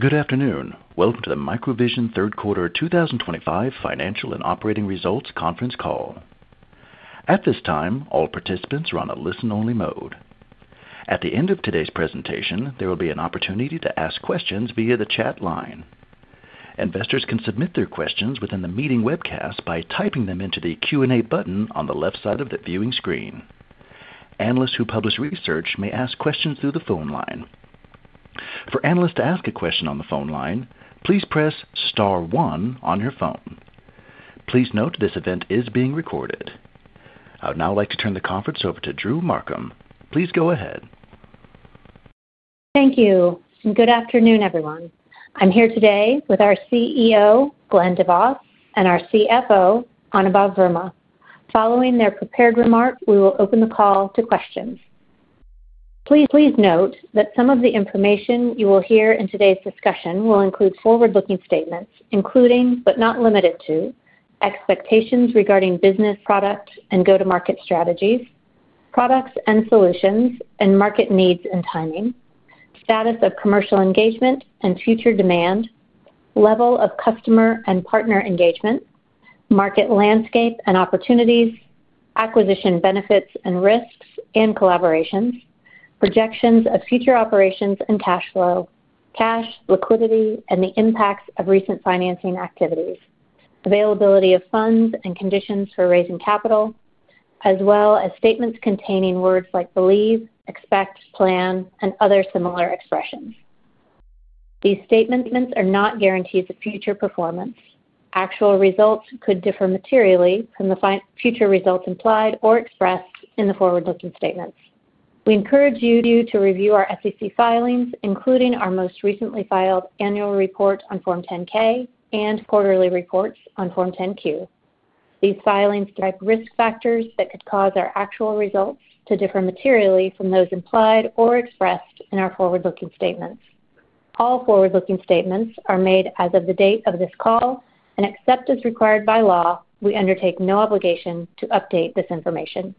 Good afternoon. Welcome to the MicroVision Third Quarter 2025 Financial and Operating Results Conference Call. At this time, all participants are on a listen-only mode. At the end of today's presentation, there will be an opportunity to ask questions via the chat line. Investors can submit their questions within the meeting webcast by typing them into the Q&A button on the left side of the viewing screen. Analysts who publish research may ask questions through the phone line. For analysts to ask a question on the phone line, please press star one on your phone. Please note this event is being recorded. I would now like to turn the conference over to Drew Markham. Please go ahead. Thank you. Good afternoon, everyone. I'm here today with our CEO, Glen DeVos, and our CFO, Anubhav Verma. Following their prepared remark, we will open the call to questions. Please note that some of the information you will hear in today's discussion will include forward-looking statements, including but not limited to expectations regarding business, product, and go-to-market strategies, products and solutions, and market needs and timing, status of commercial engagement and future demand, level of customer and partner engagement, market landscape and opportunities, acquisition benefits and risks and collaborations, projections of future operations and cash flow, cash, liquidity, and the impacts of recent financing activities, availability of funds and conditions for raising capital, as well as statements containing words like believe, expect, plan, and other similar expressions. These statements are not guarantees of future performance. Actual results could differ materially from the future results implied or expressed in the forward-looking statements. We encourage you to review our SEC filings, including our most recently filed annual report on Form 10-K and quarterly reports on Form 10-Q. These filings describe risk factors that could cause our actual results to differ materially from those implied or expressed in our forward-looking statements. All forward-looking statements are made as of the date of this call, and except as required by law, we undertake no obligation to update this information.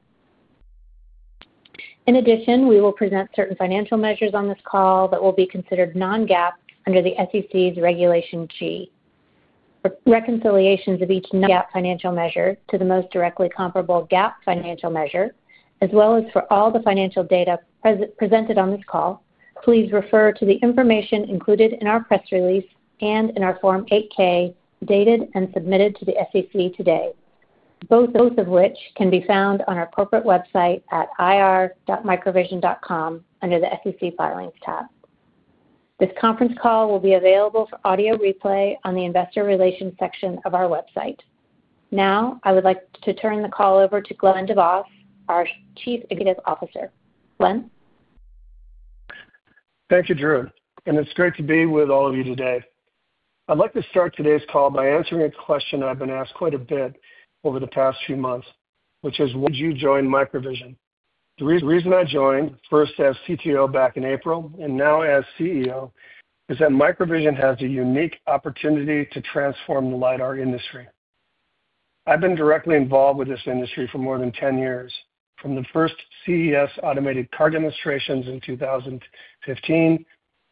In addition, we will present certain financial measures on this call that will be considered non-GAAP under the SEC's Regulation G. For reconciliations of each non-GAAP financial measure to the most directly comparable GAAP financial measure, as well as for all the financial data presented on this call, please refer to the information included in our press release and in our Form 8-K dated and submitted to the SEC today, both of which can be found on our corporate website at ir.microvision.com under the SEC filings tab. This conference call will be available for audio replay on the Investor Relations section of our website. Now, I would like to turn the call over to Glen DeVos, our Chief Executive Officer. Glen. Thank you, Drew. It is great to be with all of you today. I'd like to start today's call by answering a question I've been asked quite a bit over the past few months, which is, why did you join MicroVision? The reason I joined, first as CTO back in April and now as CEO, is that MicroVision has a unique opportunity to transform the lidar industry. I've been directly involved with this industry for more than 10 years, from the first CES automated car demonstrations in 2015,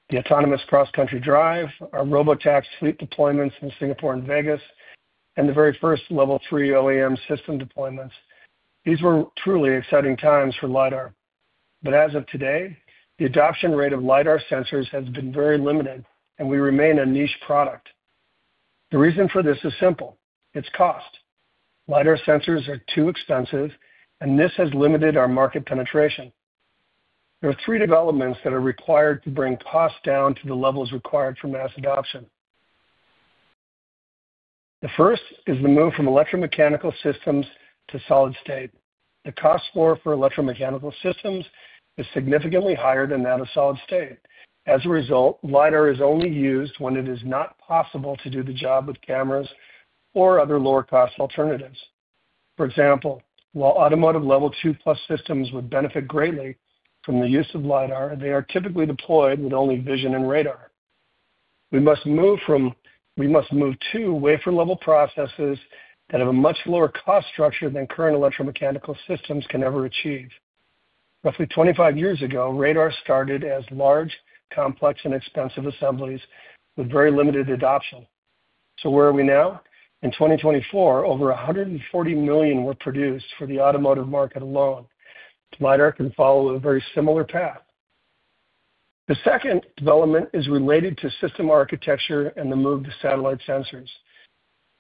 the autonomous cross-country drive, our robotaxi fleet deployments in Singapore and Vegas, and the very first Level 3 OEM system deployments. These were truly exciting times for lidar. As of today, the adoption rate of lidar sensors has been very limited, and we remain a niche product. The reason for this is simple: it's cost. Lidar sensors are too expensive, and this has limited our market penetration. There are three developments that are required to bring costs down to the levels required for mass adoption. The first is the move from electromechanical systems to solid state. The cost floor for electromechanical systems is significantly higher than that of solid state. As a result, lidar is only used when it is not possible to do the job with cameras or other lower-cost alternatives. For example, while automotive Level 2+ systems would benefit greatly from the use of lidar, they are typically deployed with only vision and radar. We must move to wafer-level processes that have a much lower cost structure than current electromechanical systems can ever achieve. Roughly 25 years ago, radar started as large, complex, and expensive assemblies with very limited adoption. So where are we now? In 2024, over 140 million were produced for the automotive market alone. Lidar can follow a very similar path. The second development is related to system architecture and the move to satellite sensors.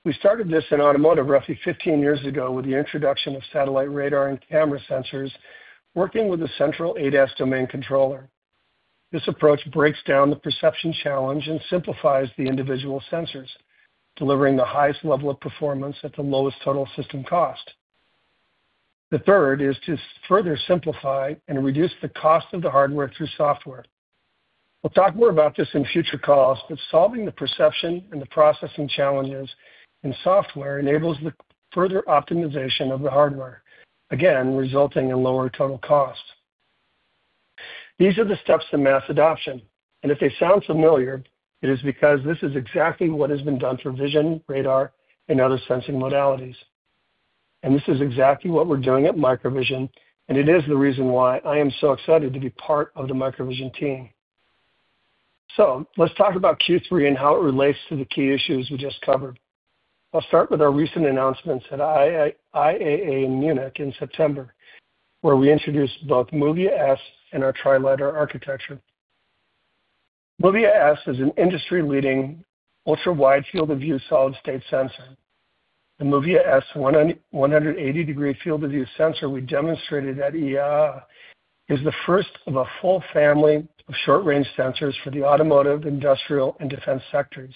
We started this in automotive roughly 15 years ago with the introduction of satellite radar and camera sensors working with a central ADAS domain controller. This approach breaks down the perception challenge and simplifies the individual sensors, delivering the highest level of performance at the lowest total system cost. The third is to further simplify and reduce the cost of the hardware through software. We'll talk more about this in future calls, but solving the perception and the processing challenges in software enables the further optimization of the hardware, again resulting in lower total cost. These are the steps to mass adoption. If they sound familiar, it is because this is exactly what has been done for vision, radar, and other sensing modalities. This is exactly what we're doing at MicroVision, and it is the reason why I am so excited to be part of the MicroVision team. Let's talk about Q3 and how it relates to the key issues we just covered. I'll start with our recent announcements at IAA in Munich in September, where we introduced both MOVIA S and our Tri-Lidar Architecture. MOVIA S is an industry-leading ultra-wide field-of-view solid-state sensor. The MOVIA S 180-degree field-of-view sensor we demonstrated at IAA is the first of a full family of short-range sensors for the automotive, industrial, and defense sectors.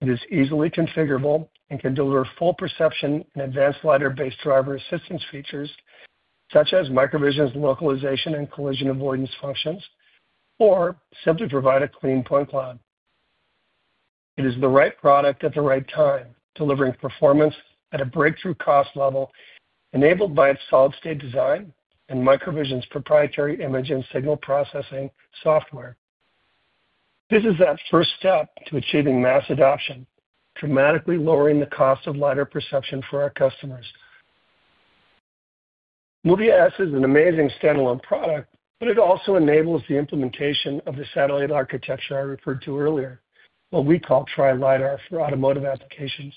It is easily configurable and can deliver full perception and advanced lidar-based driver assistance features such as MicroVision's localization and collision avoidance functions, or simply provide a clean point cloud. It is the right product at the right time, delivering performance at a breakthrough cost level enabled by its solid-state design and MicroVision's proprietary image and signal processing software. This is that first step to achieving mass adoption, dramatically lowering the cost of lidar perception for our customers. MOVIA S is an amazing standalone product, but it also enables the implementation of the satellite architecture I referred to earlier, what we call Tri-Lidar for automotive applications.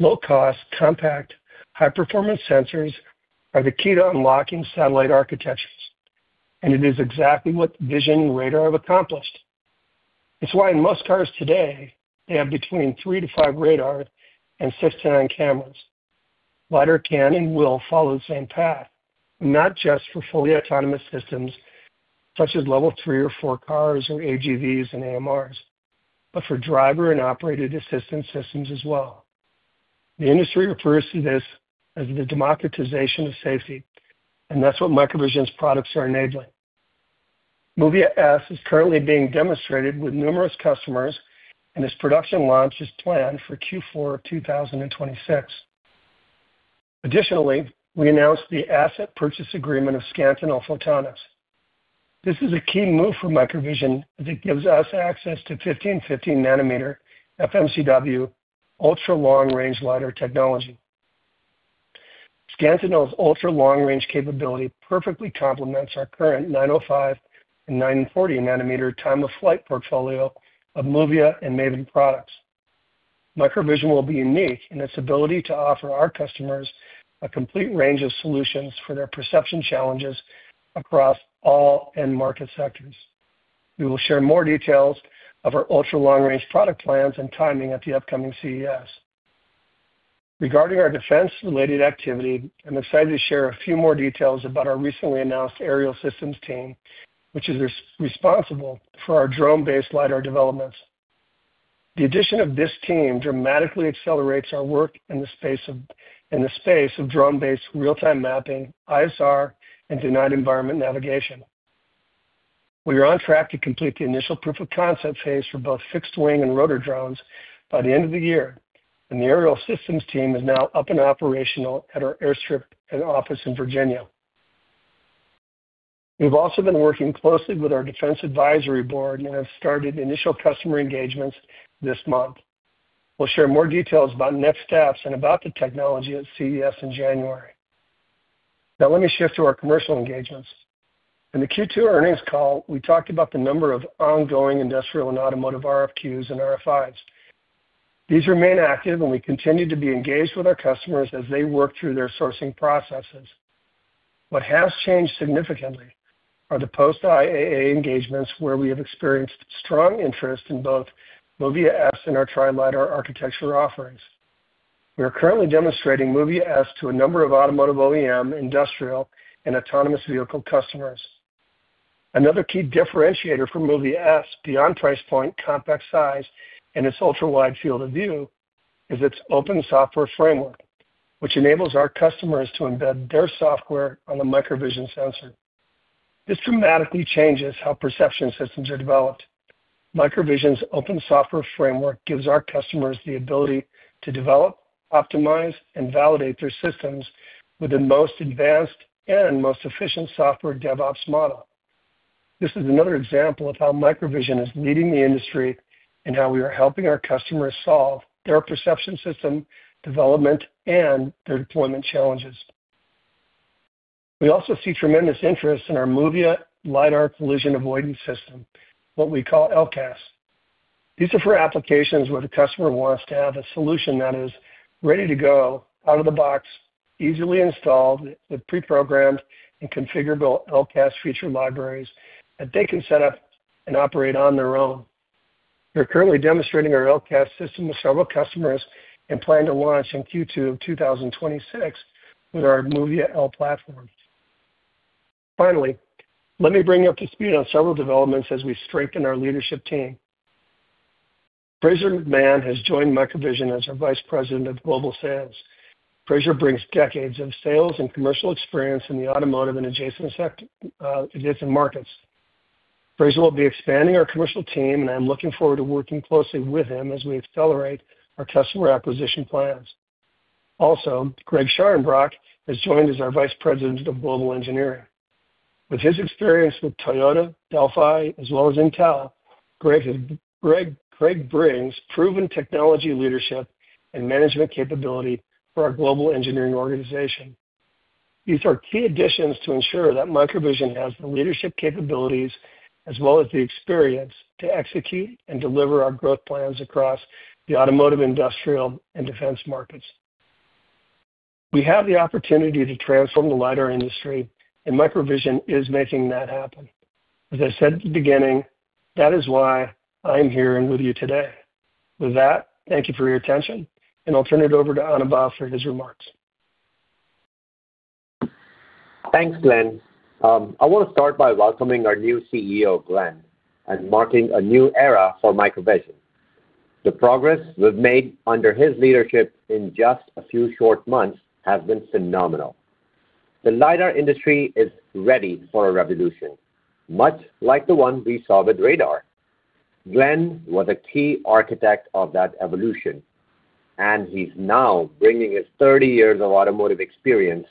Low-cost, compact, high-performance sensors are the key to unlocking satellite architectures, and it is exactly what vision and radar have accomplished. It's why in most cars today, they have between 3-5 radar and 6-9 cameras. Lidar can and will follow the same path, not just for fully autonomous systems such as Level 3 or 4 cars or AGVs and AMRs, but for driver and operator-assistance systems as well. The industry refers to this as the democratization of safety, and that's what MicroVision's products are enabling. MOVIA S is currently being demonstrated with numerous customers, and its production launch is planned for Q4 of 2026. Additionally, we announced the asset purchase agreement of Scantinel Photonics. This is a key move for MicroVision as it gives us access to 1550-nanometer FMCW ultra-long-range lidar technology. Scantinel's ultra-long-range capability perfectly complements our current 905 and 940-nanometer time-of-flight portfolio of MOVIA and MAViN products. MicroVision will be unique in its ability to offer our customers a complete range of solutions for their perception challenges across all end market sectors. We will share more details of our ultra-long-range product plans and timing at the upcoming CES. Regarding our defense-related activity, I'm excited to share a few more details about our recently announced Aerial Systems team, which is responsible for our drone-based lidar developments. The addition of this team dramatically accelerates our work in the space of drone-based real-time mapping, ISR, and denied environment navigation. We are on track to complete the initial proof-of-concept phase for both fixed-wing and rotor drones by the end of the year, and the Aerial Systems team is now up and operational at our airstrip and office in Virginia. We've also been working closely with our Defense Advisory Board and have started initial customer engagements this month. We'll share more details about next steps and about the technology at CES in January. Now, let me shift to our commercial engagements. In the Q2 earnings call, we talked about the number of ongoing industrial and automotive RFQs and RFIs. These remain active, and we continue to be engaged with our customers as they work through their sourcing processes. What has changed significantly are the post-IAA engagements where we have experienced strong interest in both MOVIA S and our Tri-Lidar Architecture Offerings. We are currently demonstrating MOVIA S to a number of automotive OEM, industrial, and autonomous vehicle customers. Another key differentiator for MOVIA S, beyond price point, compact size, and its ultra-wide field of view, is its open software framework, which enables our customers to embed their software on the MicroVision sensor. This dramatically changes how perception systems are developed. MicroVision's open software framework gives our customers the ability to develop, optimize, and validate their systems with the most advanced and most efficient software DevOps model. This is another example of how MicroVision is leading the industry and how we are helping our customers solve their perception system development and their deployment challenges. We also see tremendous interest in our MOVIA lidar collision avoidance system, what we call LCAS. These are for applications where the customer wants to have a solution that is ready to go, out of the box, easily installed with pre-programmed and configurable LCAS feature libraries that they can set up and operate on their own. We're currently demonstrating our LCAS system with several customers and plan to launch in Q2 of 2026 with our MOVIA L platform. Finally, let me bring up to speed on several developments as we strengthen our leadership team. Fraser McMahon has joined MicroVision as our Vice President of Global Sales. Fraser brings decades of sales and commercial experience in the automotive and adjacent markets. Fraser will be expanding our commercial team, and I'm looking forward to working closely with him as we accelerate our customer acquisition plans. Also, Greg Scharenbroch has joined as our Vice President of Global Engineering. With his experience with Toyota, Delphi, as well as Intel, Greg brings proven technology leadership and management capability for our global engineering organization. These are key additions to ensure that MicroVision has the leadership capabilities as well as the experience to execute and deliver our growth plans across the automotive, industrial, and defense markets. We have the opportunity to transform the lidar industry, and MicroVision is making that happen. As I said at the beginning, that is why I'm here and with you today. With that, thank you for your attention, and I'll turn it over to Anubhav for his remarks. Thanks, Glen. I want to start by welcoming our new CEO, Glen, and marking a new era for MicroVision. The progress we've made under his leadership in just a few short months has been phenomenal. The lidar industry is ready for a revolution, much like the one we saw with radar. Glen was a key architect of that evolution, and he's now bringing his 30 years of automotive experience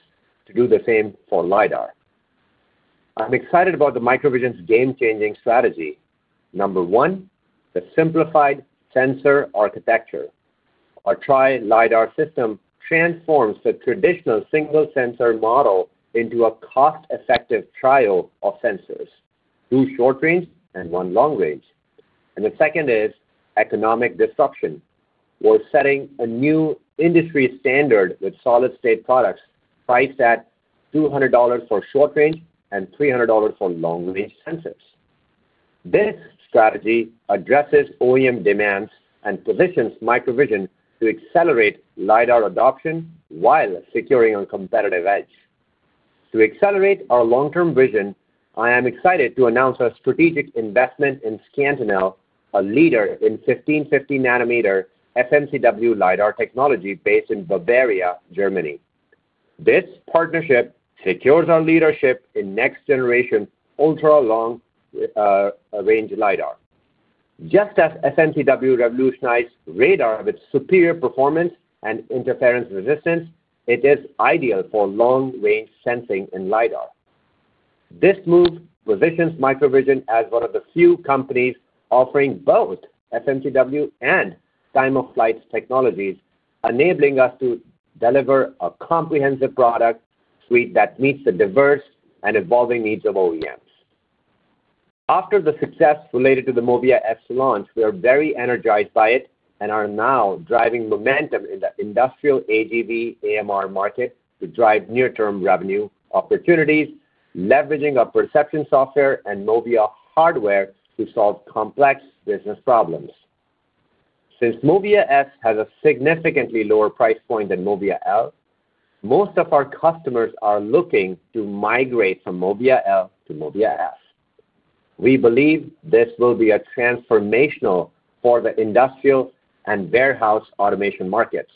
to do the same for lidar. I'm excited about MicroVision's game-changing strategy. Number one, the simplified sensor architecture. Our Tri-lidar system transforms the traditional single-sensor model into a cost-effective trio of sensors, two short-range and one long-range. The second is economic disruption. We're setting a new industry standard with solid-state products priced at $200 for short-range and $300 for long-range sensors. This strategy addresses OEM demands and positions MicroVision to accelerate lidar adoption while securing a competitive edge. To accelerate our long-term vision, I am excited to announce our strategic investment in Scantinel, a leader in 1550-nanometer FMCW lidar technology based in Bavaria, Germany. This partnership secures our leadership in next-generation ultra-long-range lidar. Just as FMCW revolutionized radar with superior performance and interference resistance, it is ideal for long-range sensing in lidar. This move positions MicroVision as one of the few companies offering both FMCW and time-of-flight technologies, enabling us to deliver a comprehensive product suite that meets the diverse and evolving needs of OEMs. After the success related to the MOVIA S launch, we are very energized by it and are now driving momentum in the industrial AGV, AMR market to drive near-term revenue opportunities, leveraging our perception software and MOVIA hardware to solve complex business problems. Since MOVIA S has a significantly lower price point than MOVIA L, most of our customers are looking to migrate from MOVIA L to MOVIA S. We believe this will be transformational for the industrial and warehouse automation markets.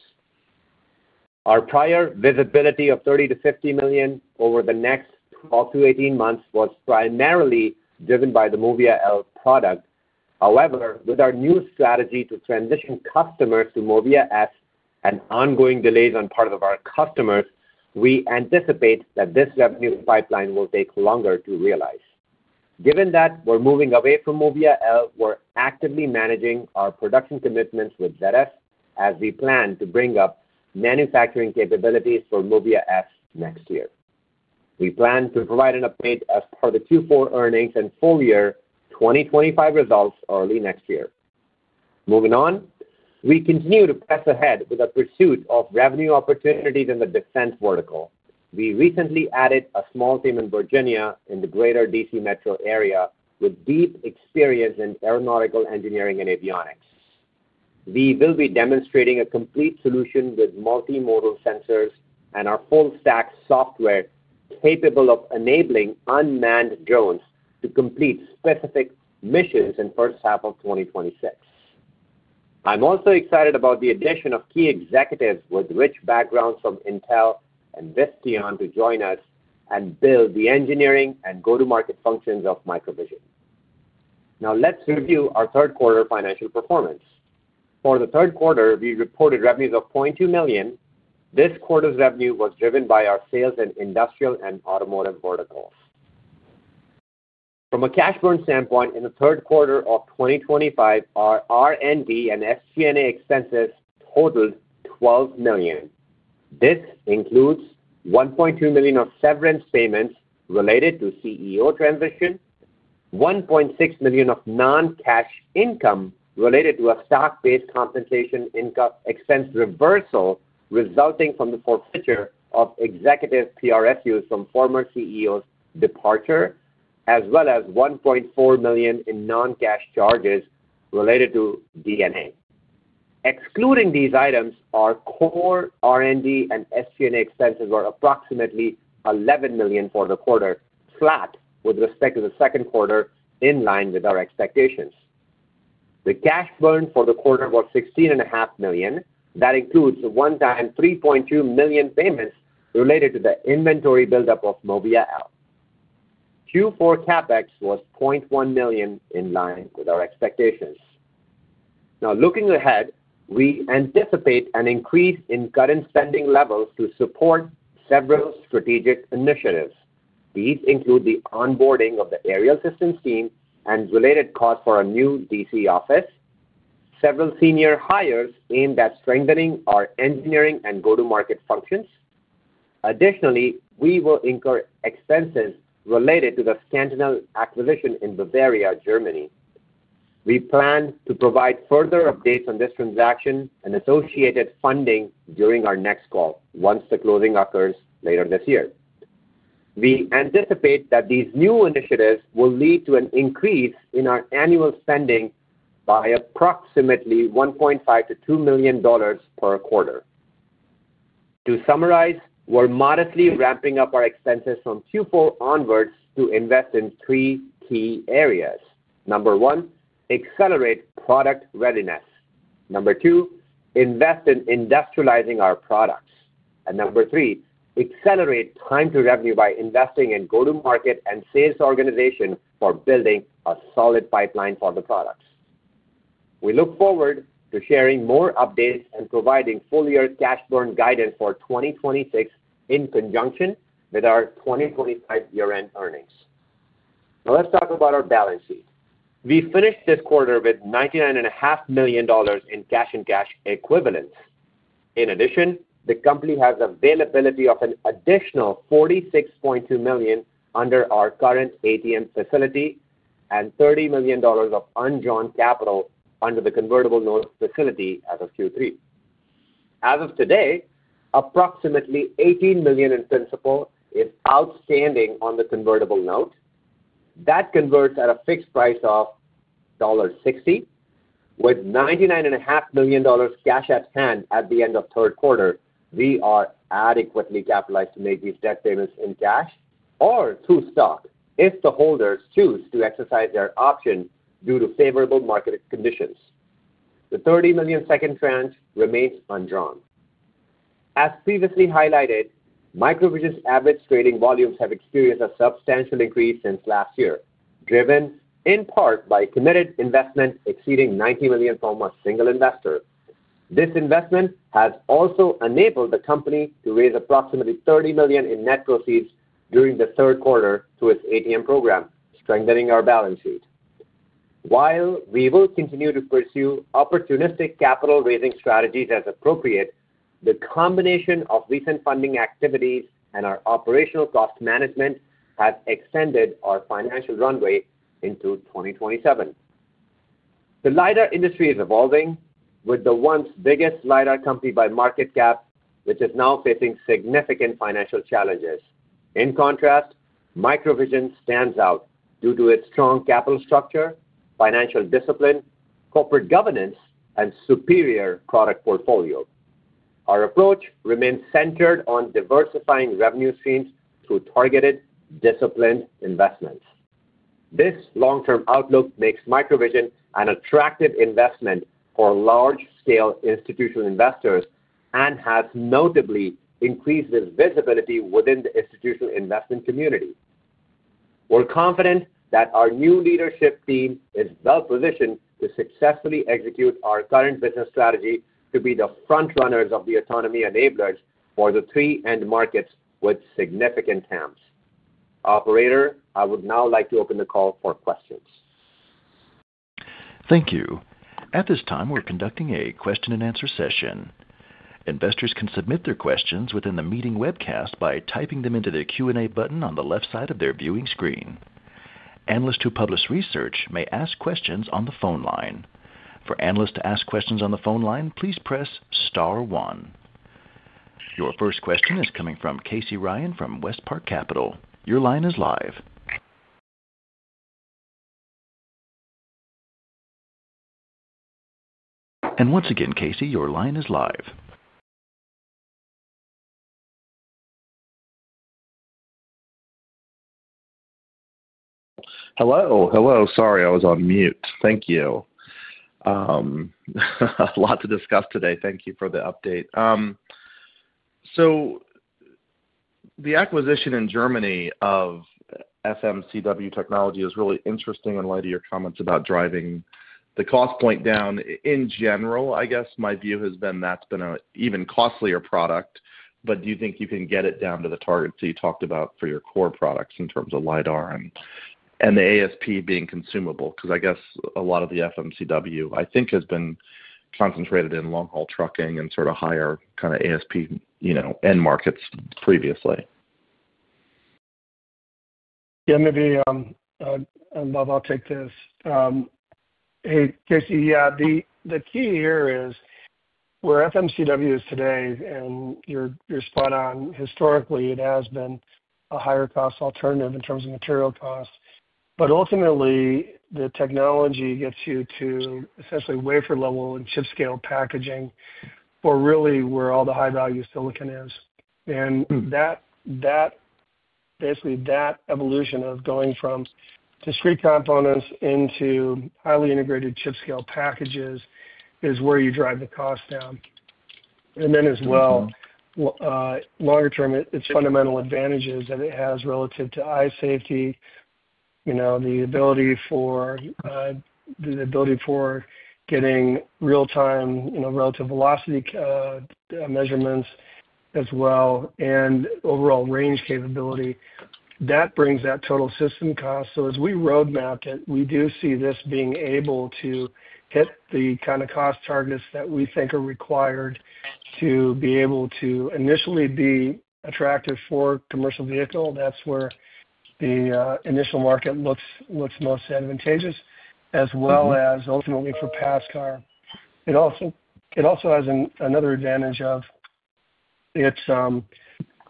Our prior visibility of $30 million-$50 million over the next 12-18 months was primarily driven by the MOVIA L product. However, with our new strategy to transition customers to MOVIA S and ongoing delays on part of our customers, we anticipate that this revenue pipeline will take longer to realize. Given that we're moving away from MOVIA L, we're actively managing our production commitments with ZF as we plan to bring up manufacturing capabilities for MOVIA S next year. We plan to provide an update as part of the Q4 earnings and full-year 2025 results early next year. Moving on, we continue to press ahead with a pursuit of revenue opportunities in the defense vertical. We recently added a small team in Virginia in the Greater D.C. Metro area with deep experience in aeronautical engineering and avionics. We will be demonstrating a complete solution with multimodal sensors and our full-stack software capable of enabling unmanned drones to complete specific missions in the first half of 2026. I'm also excited about the addition of key executives with rich backgrounds from Intel and Visteon to join us and build the engineering and go-to-market functions of MicroVision. Now, let's review our third-quarter financial performance. For the third quarter, we reported revenues of $0.2 million. This quarter's revenue was driven by our sales in industrial and automotive verticals. From a cash burn standpoint, in the third quarter of 2025, our R&D and SG&A expenses totaled $12 million. This includes $1.2 million of severance payments related to CEO transition, $1.6 million of non-cash income related to a stock-based compensation expense reversal resulting from the forfeiture of executive PRSUs from former CEOs' departure, as well as $1.4 million in non-cash charges related to DNA. Excluding these items, our core R&D and SG&A expenses were approximately $11 million for the quarter, flat with respect to the second quarter, in line with our expectations. The cash burn for the quarter was $16.5 million. That includes one-time $3.2 million payments related to the inventory buildup of MOVIA L. Q4 CapEx was $0.1 million, in line with our expectations. Now, looking ahead, we anticipate an increase in current spending levels to support several strategic initiatives. These include the onboarding of the Aerial Systems team and related costs for a new D.C. office, several senior hires aimed at strengthening our engineering and go-to-market functions. Additionally, we will incur expenses related to the Scantinel acquisition in Bavaria, Germany. We plan to provide further updates on this transaction and associated funding during our next call, once the closing occurs later this year. We anticipate that these new initiatives will lead to an increase in our annual spending by approximately $1.5 million-$2 million per quarter. To summarize, we're modestly ramping up our expenses from Q4 onwards to invest in three key areas. Number one, accelerate product readiness. Number two, invest in industrializing our products. Number three, accelerate time to revenue by investing in go-to-market and sales organization for building a solid pipeline for the products. We look forward to sharing more updates and providing full-year cash burn guidance for 2026 in conjunction with our 2025 year-end earnings. Now, let's talk about our balance sheet. We finished this quarter with $99.5 million in cash and cash equivalents. In addition, the company has availability of an additional $46.2 million under our current ATM facility and $30 million of unjoined capital under the convertible note facility as of Q3. As of today, approximately $18 million in principal is outstanding on the convertible note. That converts at a fixed price of $1.60. With $99.5 million cash at hand at the end of third quarter, we are adequately capitalized to make these debt payments in cash or through stock if the holders choose to exercise their option due to favorable market conditions. The $30 million second tranche remains unjoined. As previously highlighted, MicroVision's average trading volumes have experienced a substantial increase since last year, driven in part by committed investment exceeding $90 million from a single investor. This investment has also enabled the company to raise approximately $30 million in net proceeds during the third quarter through its ATM program, strengthening our balance sheet. While we will continue to pursue opportunistic capital-raising strategies as appropriate, the combination of recent funding activities and our operational cost management has extended our financial runway into 2027. The lidar industry is evolving, with the once biggest lidar company by market cap, which is now facing significant financial challenges. In contrast, MicroVision stands out due to its strong capital structure, financial discipline, corporate governance, and superior product portfolio. Our approach remains centered on diversifying revenue streams through targeted, disciplined investments. This long-term outlook makes MicroVision an attractive investment for large-scale institutional investors and has notably increased its visibility within the institutional investment community. We're confident that our new leadership team is well-positioned to successfully execute our current business strategy to be the frontrunners of the autonomy enablers for the three end markets with significant TAMs. Operator, I would now like to open the call for questions. Thank you. At this time, we're conducting a question-and-answer session. Investors can submit their questions within the meeting webcast by typing them into the Q&A button on the left side of their viewing screen. Analysts who publish research may ask questions on the phone line. For analysts to ask questions on the phone line, please press star one. Your first question is coming from Casey Ryan from WestPark Capital. Your line is live. Once again, Casey, your line is live. Hello. Hello. Sorry, I was on mute. Thank you. A lot to discuss today. Thank you for the update. The acquisition in Germany of FMCW technology is really interesting in light of your comments about driving the cost point down. In general, I guess my view has been that's been an even costlier product, but do you think you can get it down to the targets that you talked about for your core products in terms of lidar and the ASP being consumable? Because I guess a lot of the FMCW, I think, has been concentrated in long-haul trucking and sort of higher kind of ASP end markets previously. Yeah, maybe Anubhav, I'll take this. Hey, Casey, yeah, the key here is where FMCW is today, and you're spot on. Historically, it has been a higher-cost alternative in terms of material costs. Ultimately, the technology gets you to essentially wafer-level and chip-scale packaging for really where all the high-value silicon is. Basically, that evolution of going from discrete components into highly integrated chip-scale packages is where you drive the cost down. As well, longer-term, its fundamental advantages that it has relative to eye safety, the ability for getting real-time relative velocity measurements as well, and overall range capability. That brings that total system cost. As we roadmap it, we do see this being able to hit the kind of cost targets that we think are required to be able to initially be attractive for commercial vehicles. That's where the initial market looks most advantageous, as well as ultimately for pass car. It also has another advantage of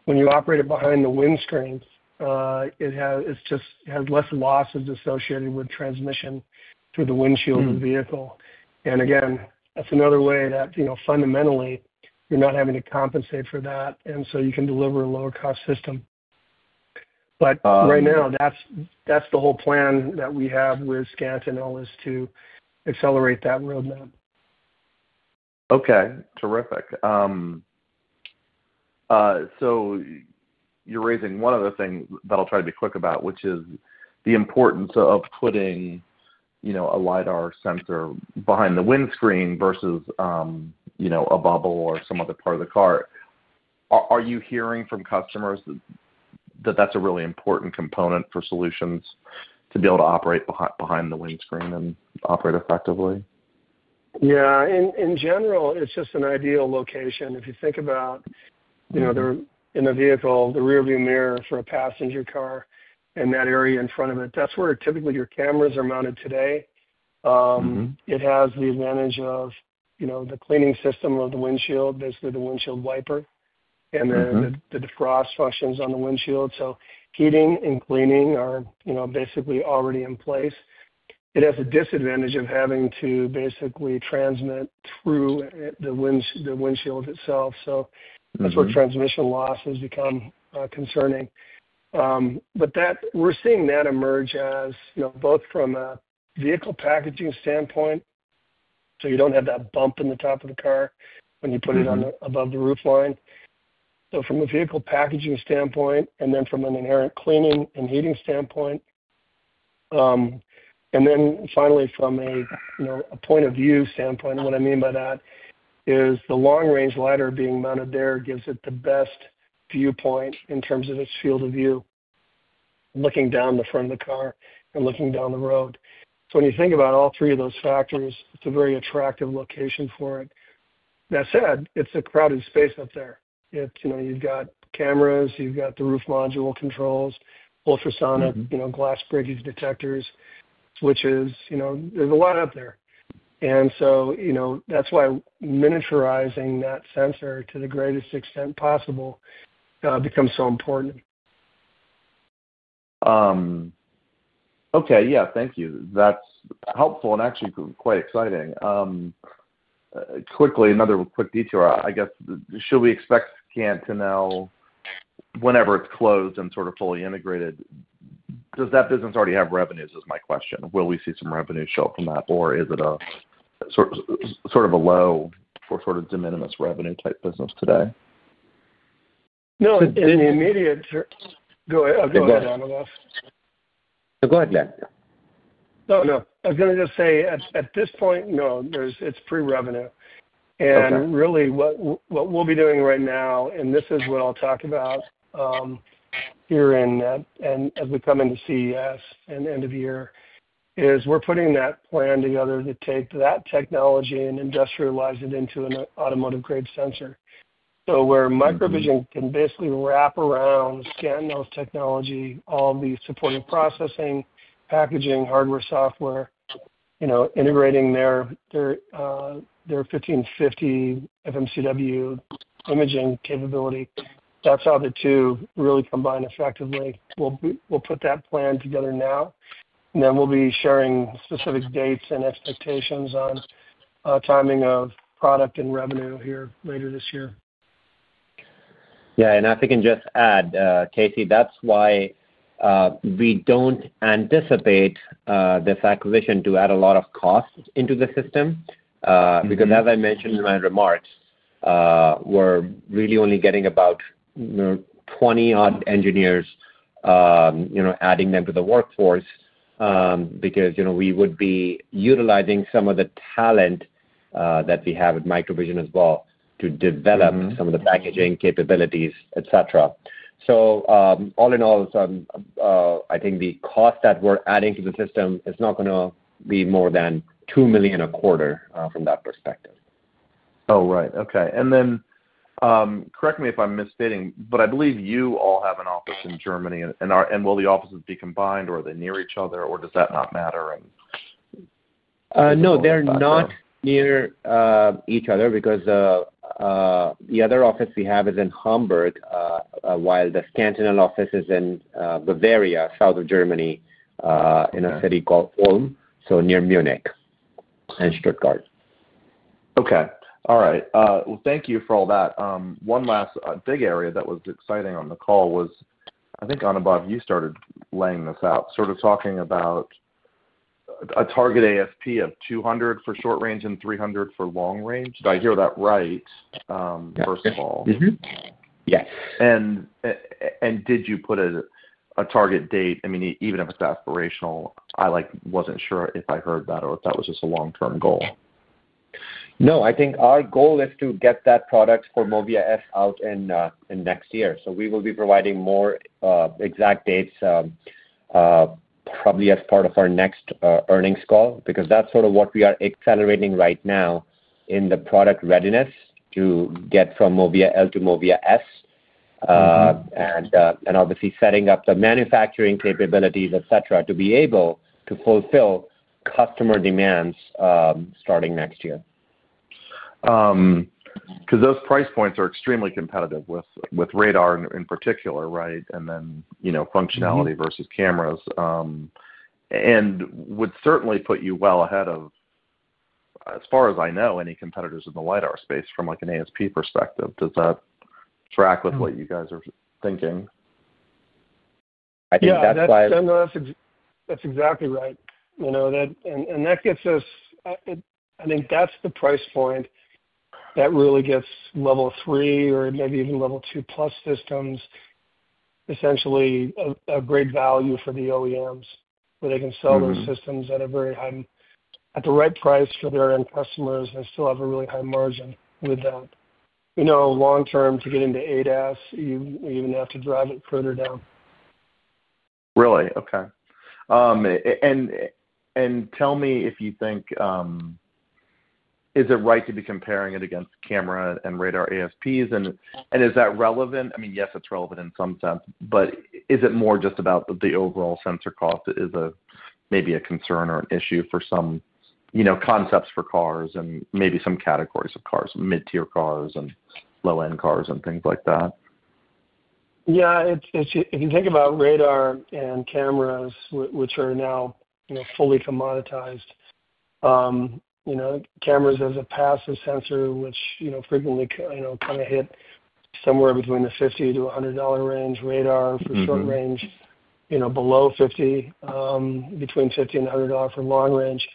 when you operate it behind the windscreen, it just has less losses associated with transmission through the windshield of the vehicle. Again, that's another way that fundamentally you're not having to compensate for that, and so you can deliver a lower-cost system. Right now, that's the whole plan that we have with Scantinel is to accelerate that roadmap. Okay. Terrific. So you're raising one other thing that I'll try to be quick about, which is the importance of putting a lidar sensor behind the windscreen versus a bubble or some other part of the car. Are you hearing from customers that that's a really important component for solutions to be able to operate behind the windscreen and operate effectively? Yeah. In general, it's just an ideal location. If you think about in the vehicle, the rearview mirror for a passenger car and that area in front of it, that's where typically your cameras are mounted today. It has the advantage of the cleaning system of the windshield, basically the windshield wiper, and then the defrost functions on the windshield. So heating and cleaning are basically already in place. It has a disadvantage of having to basically transmit through the windshield itself. That's where transmission loss has become concerning. We're seeing that emerge as both from a vehicle packaging standpoint, so you don't have that bump in the top of the car when you put it above the roof line. From a vehicle packaging standpoint, and then from an inherent cleaning and heating standpoint. Finally, from a point of view standpoint, what I mean by that is the long-range lidar being mounted there gives it the best viewpoint in terms of its field of view, looking down the front of the car and looking down the road. When you think about all three of those factors, it is a very attractive location for it. That said, it is a crowded space up there. You have cameras, you have the roof module controls, ultrasonic glass breakage detectors, switches. There is a lot up there. That is why miniaturizing that sensor to the greatest extent possible becomes so important. Okay. Yeah. Thank you. That's helpful and actually quite exciting. Quickly, another quick detour, I guess. Should we expect Scantinel whenever it's closed and sort of fully integrated? Does that business already have revenues, is my question. Will we see some revenue show up from that, or is it sort of a low or sort of de minimis revenue type business today? No. In the immediate—go ahead. I'm going to— No, go ahead, Glen. No, no. I was going to just say, at this point, no, it's pre-revenue. Really, what we'll be doing right now, and this is what I'll talk about here as we come into CES and end of the year, is we're putting that plan together to take that technology and industrialize it into an automotive-grade sensor. Where MicroVision can basically wrap around Scantinel's technology, all the supporting processing, packaging, hardware, software, integrating their 1550 FMCW imaging capability. That's how the two really combine effectively. We'll put that plan together now, and then we'll be sharing specific dates and expectations on timing of product and revenue here later this year. Yeah. I think I can just add, Casey, that's why we do not anticipate this acquisition to add a lot of cost into the system. Because as I mentioned in my remarks, we're really only getting about 20-odd engineers, adding them to the workforce because we would be utilizing some of the talent that we have at MicroVision as well to develop some of the packaging capabilities, etc. All in all, I think the cost that we're adding to the system is not going to be more than $2 million a quarter from that perspective. Oh, right. Okay. Correct me if I'm misstating, but I believe you all have an office in Germany. Will the offices be combined, or are they near each other, or does that not matter? No, they're not near each other because the other office we have is in Hamburg, while the Scantinel office is in Bavaria, south of Germany, in a city called Ulm, so near Munich and Stuttgart. Okay. All right. Thank you for all that. One last big area that was exciting on the call was, I think, Anubhav, you started laying this out, sort of talking about a target ASP of $200 for short range and $300 for long range. Did I hear that right, first of all? Yes. Yes. Did you put a target date? I mean, even if it's aspirational, I wasn't sure if I heard that or if that was just a long-term goal. No, I think our goal is to get that product for MOVIA S out in next year. We will be providing more exact dates probably as part of our next earnings call because that is sort of what we are accelerating right now in the product readiness to get from MOVIA L to MOVIA S and obviously setting up the manufacturing capabilities, etc., to be able to fulfill customer demands starting next year. Because those price points are extremely competitive with radar in particular, right, and then functionality versus cameras. It would certainly put you well ahead of, as far as I know, any competitors in the lidar space from an ASP perspective. Does that track with what you guys are thinking? I think that's why. Yeah. That's exactly right. That gets us—I think that's the price point that really gets Level 3 or maybe even Level 2+ systems essentially a great value for the OEMs where they can sell those systems at a very high—at the right price for their end customers and still have a really high margin with that. Long-term, to get into ADAS, you even have to drive it further down. Really? Okay. Tell me if you think, is it right to be comparing it against camera and radar ASPs? Is that relevant? I mean, yes, it's relevant in some sense. Is it more just about the overall sensor cost that is maybe a concern or an issue for some concepts for cars and maybe some categories of cars, mid-tier cars and low-end cars and things like that? Yeah. If you think about radar and cameras, which are now fully commoditized, cameras as a passive sensor, which frequently kind of hit somewhere between the $50-$100 range, radar for short range, below $50, between $50 and $100 for long range.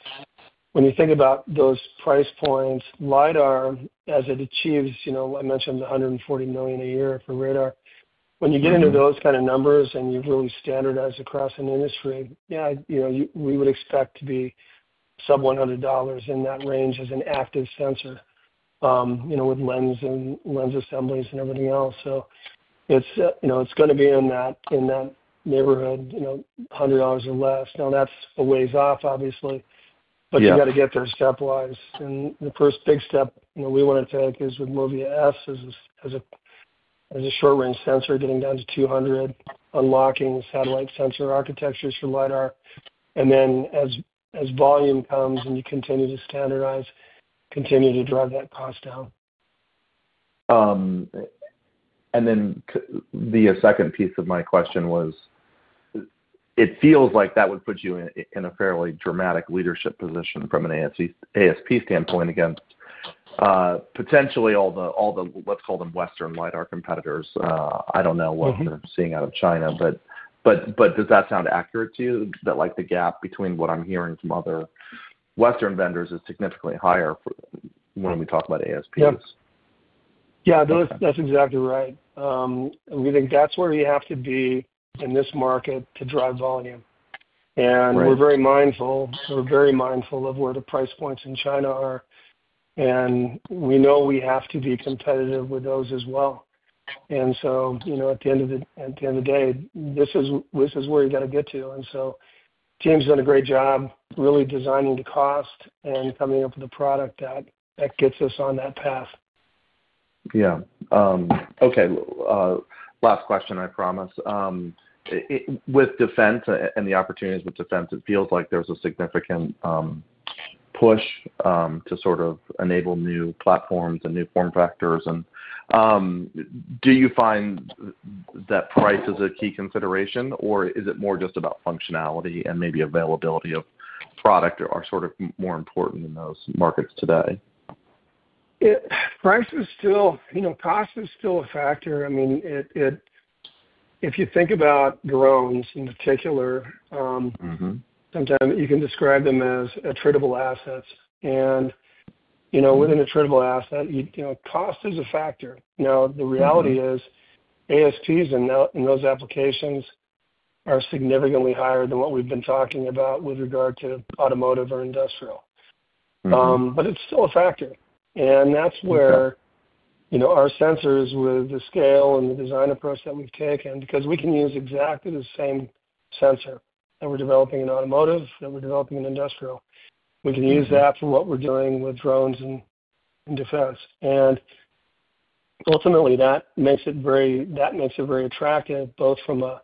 When you think about those price points, lidar, as it achieves, I mentioned, $140 million a year for radar. When you get into those kind of numbers and you've really standardized across an industry, yeah, we would expect to be sub-$100 in that range as an active sensor with lens assemblies and everything else. It is going to be in that neighborhood, $100 or less. Now, that is a ways off, obviously, but you got to get there stepwise. The first big step we want to take is with MOVIA S as a short-range sensor, getting down to $200, unlocking satellite sensor architectures for lidar. As volume comes and you continue to standardize, continue to drive that cost down. The second piece of my question was, it feels like that would put you in a fairly dramatic leadership position from an ASP standpoint against potentially all the, let's call them, Western lidar competitors. I don't know what they're seeing out of China, but does that sound accurate to you that the gap between what I'm hearing from other Western vendors is significantly higher when we talk about ASPs? Yeah. That's exactly right. We think that's where you have to be in this market to drive volume. We are very mindful. We are very mindful of where the price points in China are. We know we have to be competitive with those as well. At the end of the day, this is where you got to get to. Teams has done a great job really designing the cost and coming up with a product that gets us on that path. Yeah. Okay. Last question, I promise. With defense and the opportunities with defense, it feels like there is a significant push to sort of enable new platforms and new form factors. Do you find that price is a key consideration, or is it more just about functionality and maybe availability of product are sort of more important in those markets today? Price is still—cost is still a factor. I mean, if you think about drones in particular, sometimes you can describe them as attritable assets. And within attritable asset, cost is a factor. Now, the reality is ASPs in those applications are significantly higher than what we've been talking about with regard to automotive or industrial. It is still a factor. That is where our sensors with the scale and the design approach that we've taken, because we can use exactly the same sensor that we're developing in automotive, that we're developing in industrial. We can use that for what we're doing with drones and defense. Ultimately, that makes it very—that makes it very attractive, both from the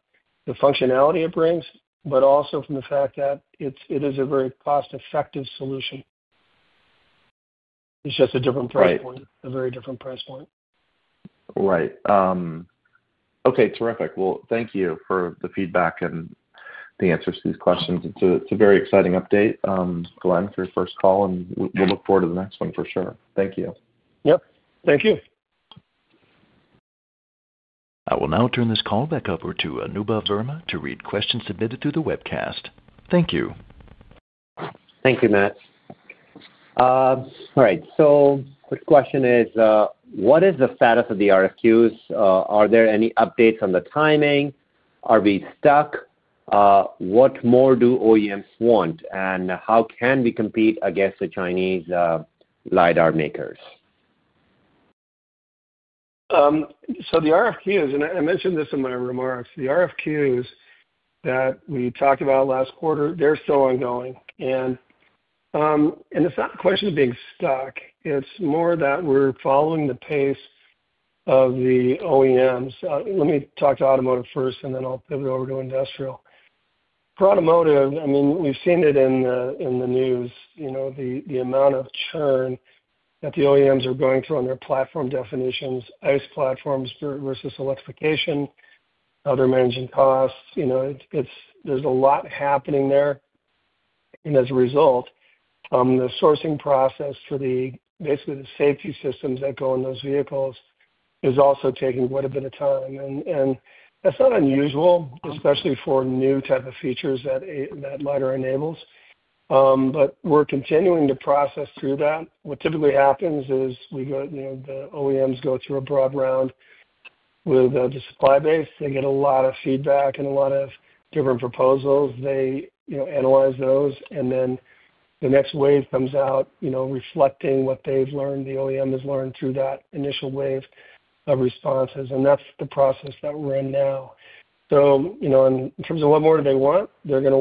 functionality it brings, but also from the fact that it is a very cost-effective solution. It is just a different price point, a very different price point. Right. Okay. Terrific. Thank you for the feedback and the answers to these questions. It's a very exciting update, Glen, for your first call, and we'll look forward to the next one for sure. Thank you. Yep. Thank you. I will now turn this call back over to Anubhav Verma to read questions submitted through the webcast. Thank you. Thank you, Matt. All right. The question is, what is the status of the RFQs? Are there any updates on the timing? Are we stuck? What more do OEMs want? How can we compete against the Chinese lidar makers? The RFQs—and I mentioned this in my remarks—the RFQs that we talked about last quarter, they're still ongoing. It's not a question of being stuck. It's more that we're following the pace of the OEMs. Let me talk to automotive first, and then I'll pivot over to industrial. For automotive, I mean, we've seen it in the news, the amount of churn that the OEMs are going through on their platform definitions, ICE platforms versus electrification, how they're managing costs. There's a lot happening there. As a result, the sourcing process for basically the safety systems that go in those vehicles is also taking quite a bit of time. That's not unusual, especially for new type of features that lidar enables. We're continuing to process through that. What typically happens is the OEMs go through a broad round with the supply base. They get a lot of feedback and a lot of different proposals. They analyze those, and then the next wave comes out reflecting what they have learned, the OEM has learned through that initial wave of responses. That is the process that we are in now. In terms of what more do they want, they are going to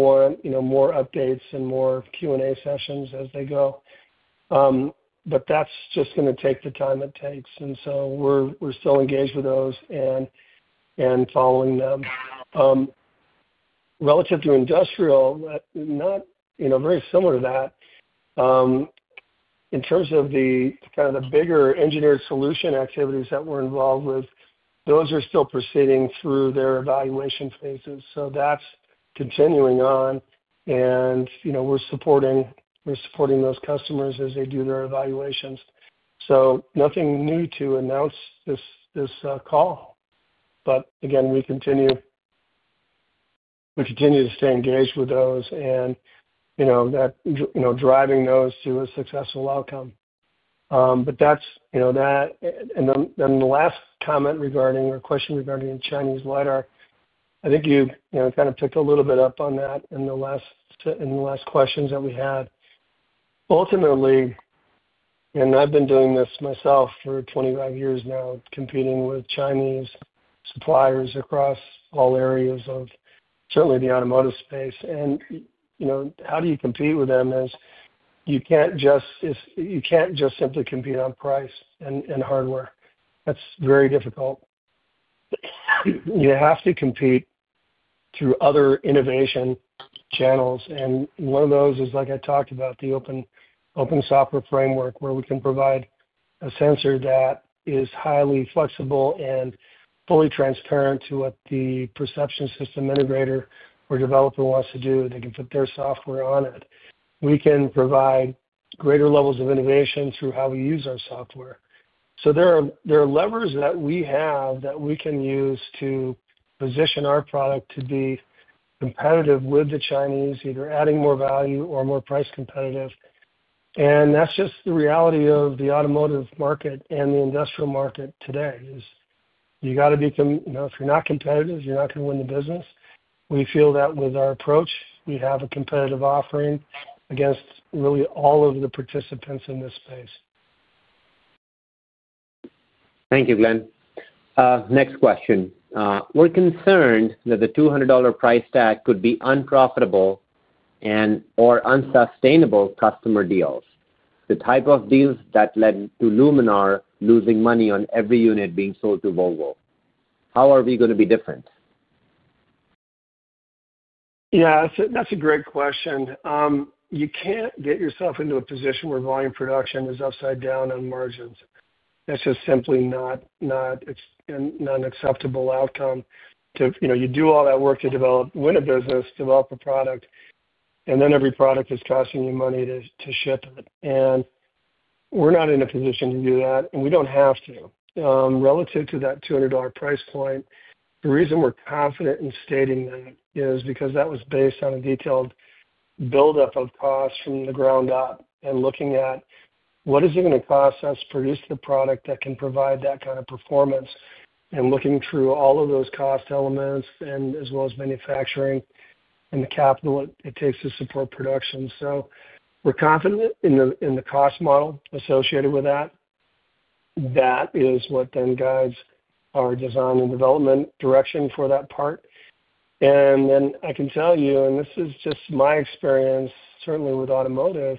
want more updates and more Q&A sessions as they go. That is just going to take the time it takes. We are still engaged with those and following them. Relative to industrial, not very similar to that. In terms of the kind of the bigger engineered solution activities that we are involved with, those are still proceeding through their evaluation phases. That is continuing on. We are supporting those customers as they do their evaluations. Nothing new to announce this call. Again, we continue to stay engaged with those and driving those to a successful outcome. That is that. The last comment regarding or question regarding the Chinese lidar, I think you kind of picked a little bit up on that in the last questions that we had. Ultimately, and I have been doing this myself for 25 years now, competing with Chinese suppliers across all areas of certainly the automotive space. How you compete with them is you cannot just simply compete on price and hardware. That is very difficult. You have to compete through other innovation channels. One of those is, like I talked about, the open software framework where we can provide a sensor that is highly flexible and fully transparent to what the perception system integrator or developer wants to do. They can put their software on it. We can provide greater levels of innovation through how we use our software. There are levers that we have that we can use to position our product to be competitive with the Chinese, either adding more value or more price competitive. That is just the reality of the automotive market and the industrial market today. You have to be—if you are not competitive, you are not going to win the business. We feel that with our approach, we have a competitive offering against really all of the participants in this space. Thank you, Glen. Next question. We're concerned that the $200 price tag could be unprofitable and/or unsustainable customer deals, the type of deals that led to Luminar losing money on every unit being sold to Volvo. How are we going to be different? Yeah. That's a great question. You can't get yourself into a position where volume production is upside down on margins. That's just simply not an acceptable outcome. You do all that work to develop, win a business, develop a product, and then every product is costing you money to ship it. We're not in a position to do that, and we don't have to. Relative to that $200 price point, the reason we're confident in stating that is because that was based on a detailed buildup of costs from the ground up and looking at what is it going to cost us to produce the product that can provide that kind of performance and looking through all of those cost elements as well as manufacturing and the capital it takes to support production. We're confident in the cost model associated with that. That is what then guides our design and development direction for that part. I can tell you, and this is just my experience, certainly with automotive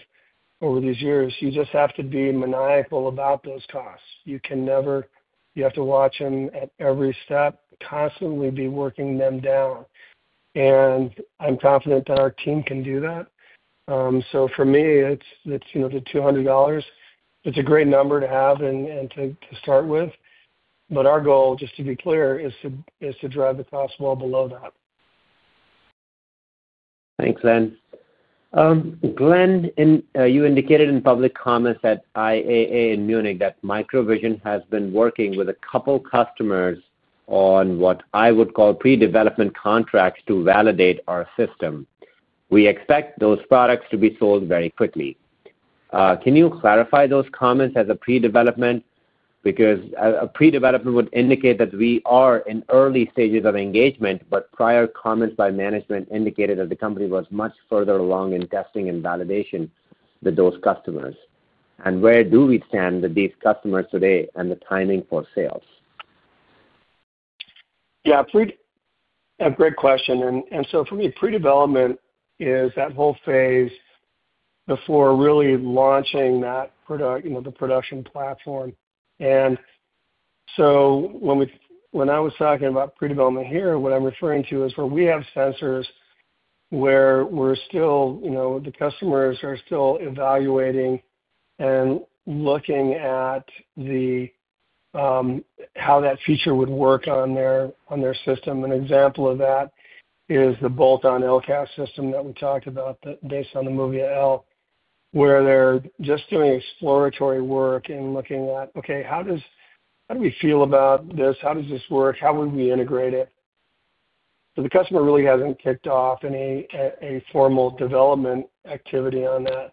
over these years, you just have to be maniacal about those costs. You have to watch them at every step, constantly be working them down. I'm confident that our team can do that. For me, it's the $200. It's a great number to have and to start with. Our goal, just to be clear, is to drive the cost well below that. Thanks, Glen. Glen, you indicated in public comments at IAA in Munich that MicroVision has been working with a couple of customers on what I would call pre-development contracts to validate our system. We expect those products to be sold very quickly. Can you clarify those comments as a pre-development? Because a pre-development would indicate that we are in early stages of engagement, but prior comments by management indicated that the company was much further along in testing and validation with those customers. Where do we stand with these customers today and the timing for sales? Yeah. A great question. For me, pre-development is that whole phase before really launching the production platform. When I was talking about pre-development here, what I'm referring to is where we have sensors where the customers are still evaluating and looking at how that feature would work on their system. An example of that is the bolt-on LCAS system that we talked about based on the MOVIA L, where they're just doing exploratory work and looking at, "Okay, how do we feel about this? How does this work? How would we integrate it?" The customer really hasn't kicked off any formal development activity on that.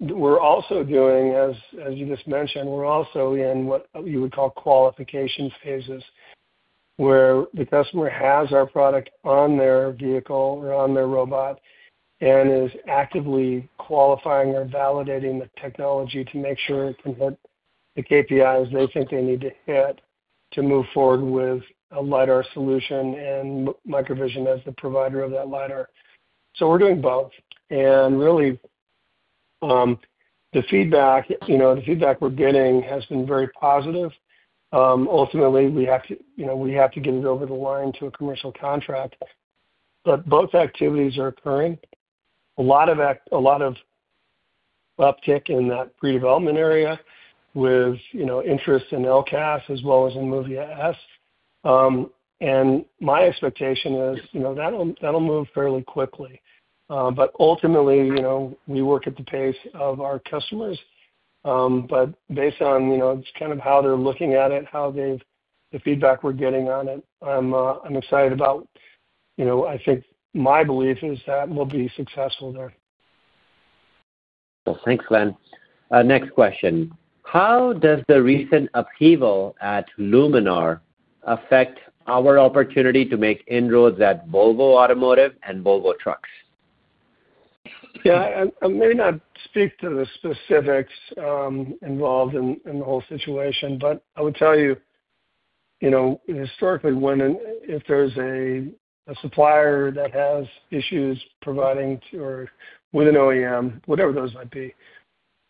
We're also doing, as you just mentioned, we're also in what you would call qualification phases where the customer has our product on their vehicle or on their robot and is actively qualifying or validating the technology to make sure it can hit the KPIs they think they need to hit to move forward with a lidar solution and MicroVision as the provider of that lidar. We're doing both. Really, the feedback we're getting has been very positive. Ultimately, we have to get it over the line to a commercial contract. Both activities are occurring. A lot of uptick in that pre-development area with interest in LCAS as well as in MOVIA S. My expectation is that'll move fairly quickly. Ultimately, we work at the pace of our customers. Based on just kind of how they're looking at it, the feedback we're getting on it, I'm excited about it. I think my belief is that we'll be successful there. Thanks, Glen. Next question. How does the recent upheaval at Luminar affect our opportunity to make inroads at Volvo Automotive and Volvo Trucks? Yeah. I may not speak to the specifics involved in the whole situation, but I would tell you, historically, if there is a supplier that has issues providing with an OEM, whatever those might be,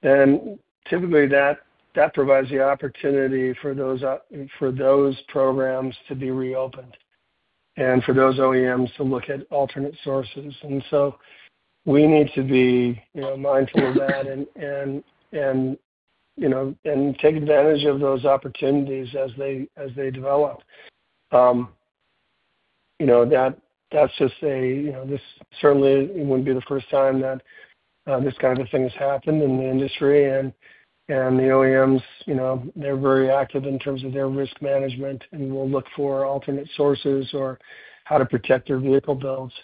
then typically that provides the opportunity for those programs to be reopened and for those OEMs to look at alternate sources. We need to be mindful of that and take advantage of those opportunities as they develop. This certainly would not be the first time that this kind of a thing has happened in the industry. The OEMs, they are very active in terms of their risk management and will look for alternate sources or how to protect their vehicle builds.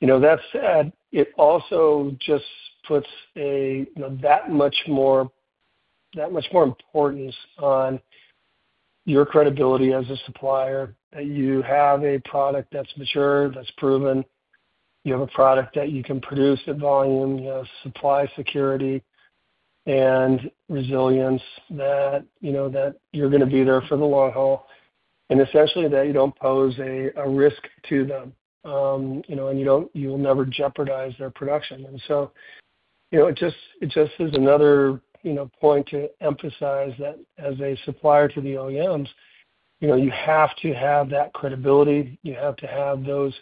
That said, it also just puts that much more importance on your credibility as a supplier, that you have a product that's mature, that's proven, you have a product that you can produce at volume, you have supply security and resilience, that you're going to be there for the long haul, and essentially that you do not pose a risk to them, and you will never jeopardize their production. It just is another point to emphasize that as a supplier to the OEMs, you have to have that credibility. You have to have those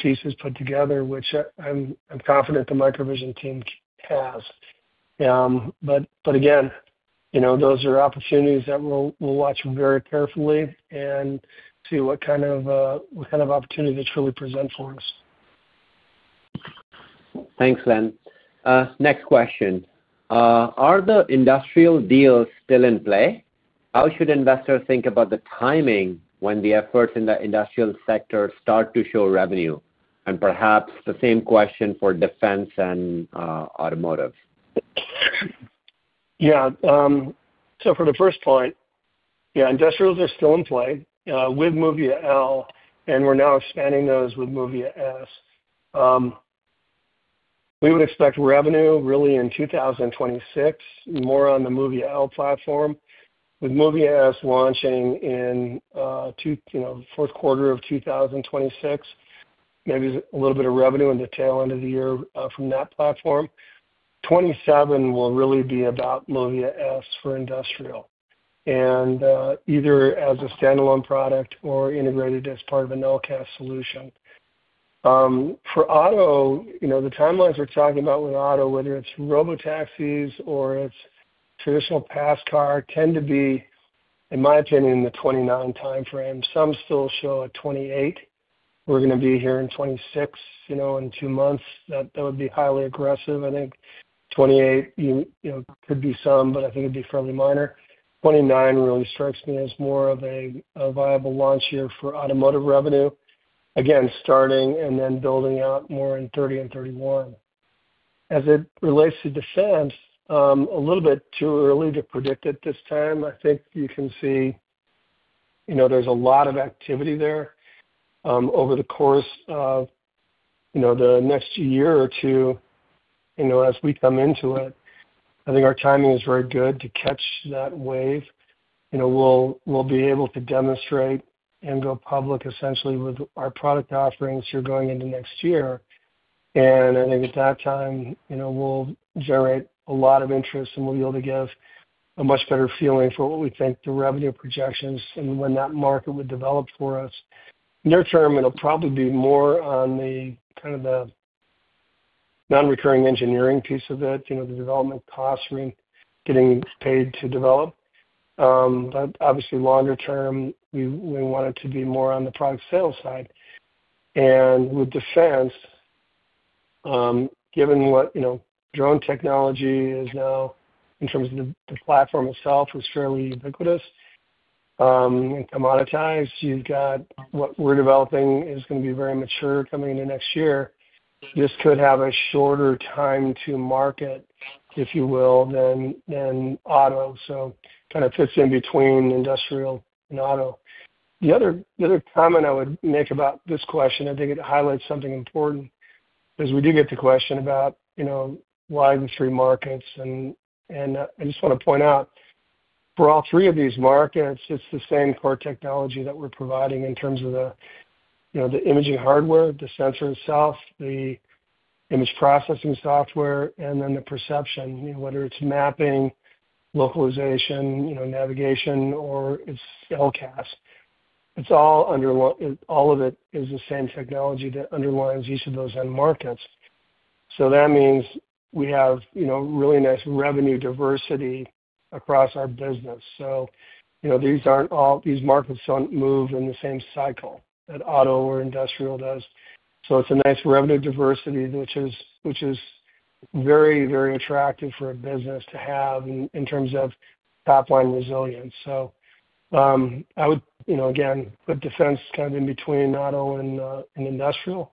pieces put together, which I'm confident the MicroVision team has. Again, those are opportunities that we'll watch very carefully and see what kind of opportunity they truly present for us. Thanks, Glen. Next question. Are the industrial deals still in play? How should investors think about the timing when the efforts in the industrial sector start to show revenue? Perhaps the same question for defense and automotive. Yeah. So for the first point, yeah, industrials are still in play with MOVIA L, and we're now expanding those with MOVIA S. We would expect revenue really in 2026, more on the MOVIA L platform, with MOVIA S launching in the fourth quarter of 2026, maybe a little bit of revenue in the tail end of the year from that platform. 2027 will really be about MOVIA S for industrial, and either as a standalone product or integrated as part of an LCAS solution. For auto, the timelines we're talking about with auto, whether it's robotaxis or it's traditional pass car, tend to be, in my opinion, in the 2029 timeframe. Some still show a 2028. We're going to be here in 2026 in two months. That would be highly aggressive. I think 2028 could be some, but I think it'd be fairly minor. 2029 really strikes me as more of a viable launch year for automotive revenue, again, starting and then building out more in 2030 and 2031. As it relates to defense, a little bit too early to predict at this time. I think you can see there is a lot of activity there over the course of the next year or two as we come into it. I think our timing is very good to catch that wave. We will be able to demonstrate and go public essentially with our product offerings here going into next year. I think at that time, we will generate a lot of interest, and we will be able to give a much better feeling for what we think the revenue projections and when that market would develop for us. In the near term, it'll probably be more on the kind of the non-recurring engineering piece of it, the development costs getting paid to develop. Obviously, longer term, we want it to be more on the product sales side. With defense, given what drone technology is now, in terms of the platform itself, it's fairly ubiquitous and commoditized. You've got what we're developing is going to be very mature coming into next year. This could have a shorter time to market, if you will, than auto. It kind of fits in between industrial and auto. The other comment I would make about this question, I think it highlights something important because we do get the question about why the three markets. I just want to point out, for all three of these markets, it's the same core technology that we're providing in terms of the imaging hardware, the sensor itself, the image processing software, and then the perception, whether it's mapping, localization, navigation, or it's LCAS. All of it is the same technology that underlines each of those end markets. That means we have really nice revenue diversity across our business. These markets don't move in the same cycle that auto or industrial does. It's a nice revenue diversity, which is very, very attractive for a business to have in terms of top-line resilience. I would, again, put defense kind of in between auto and industrial.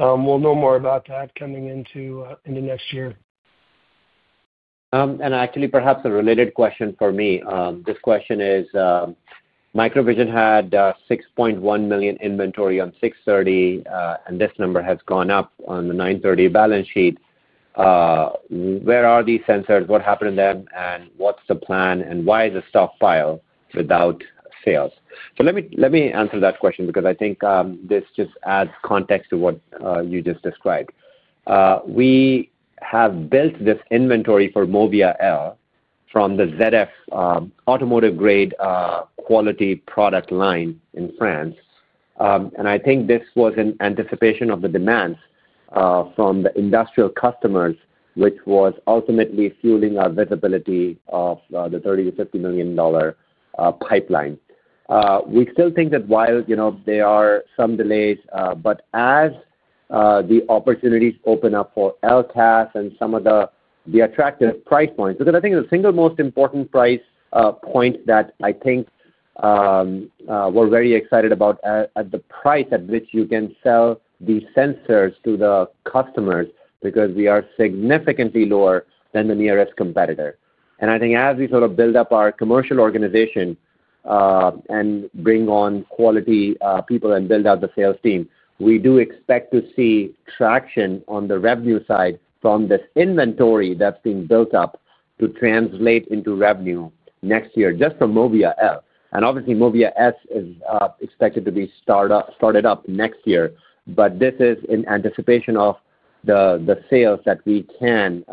We'll know more about that coming into next year. Actually, perhaps a related question for me. This question is, MicroVision had $6.1 million inventory on 6/30, and this number has gone up on the 9/30 balance sheet. Where are these sensors? What happened to them? And what's the plan? Why is the stockpile without sales? Let me answer that question because I think this just adds context to what you just described. We have built this inventory for MOVIA L from the ZF automotive-grade quality product line in France. I think this was in anticipation of the demands from the industrial customers, which was ultimately fueling our visibility of the $30 million-$50 million pipeline. We still think that while there are some delays, as the opportunities open up for LCAS and some of the attractive price points because I think the single most important price point that I think we're very excited about is the price at which you can sell these sensors to the customers because they are significantly lower than the nearest competitor. I think as we sort of build up our commercial organization and bring on quality people and build out the sales team, we do expect to see traction on the revenue side from this inventory that's being built up to translate into revenue next year just from MOVIA L. Obviously, MOVIA S is expected to be started up next year, but this is in anticipation of the sales that we can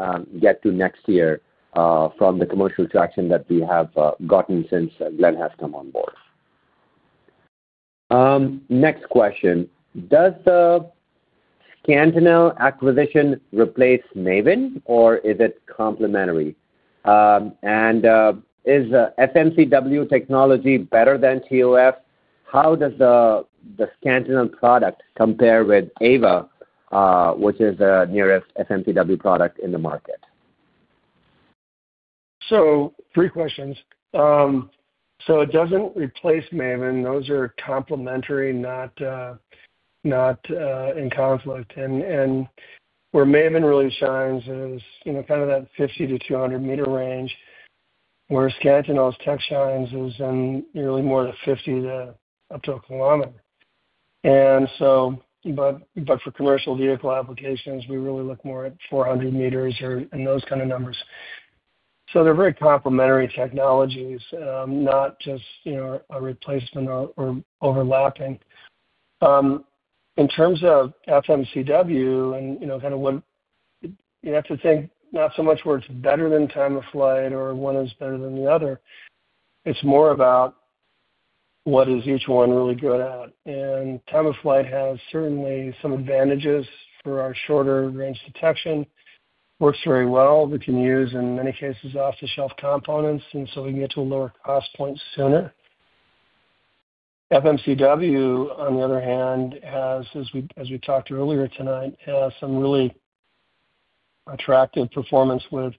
get to next year from the commercial traction that we have gotten since Glen has come on board. Next question. Does the Scantinel acquisition replace MAVIN, or is it complementary? And is FMCW technology better than TOF? How does the Scantinel product compare with Aeva, which is the nearest FMCW product in the market? Three questions. It does not replace MAVIN. Those are complementary, not in conflict. Where MAVIN really shines is kind of that 50-200 meter range. Where Scantinel's tech shines is in really more than 50 to up to 1,000 meters. For commercial vehicle applications, we really look more at 400 meters or in those kind of numbers. They are very complementary technologies, not just a replacement or overlapping. In terms of FMCW and kind of what you have to think, not so much where it is better than time-of-flight or one is better than the other. It is more about what is each one really good at. Time-of-flight has certainly some advantages for our shorter range detection. Works very well. We can use in many cases off-the-shelf components, and we can get to a lower cost point sooner. FMCW, on the other hand, as we talked earlier tonight, has some really attractive performance with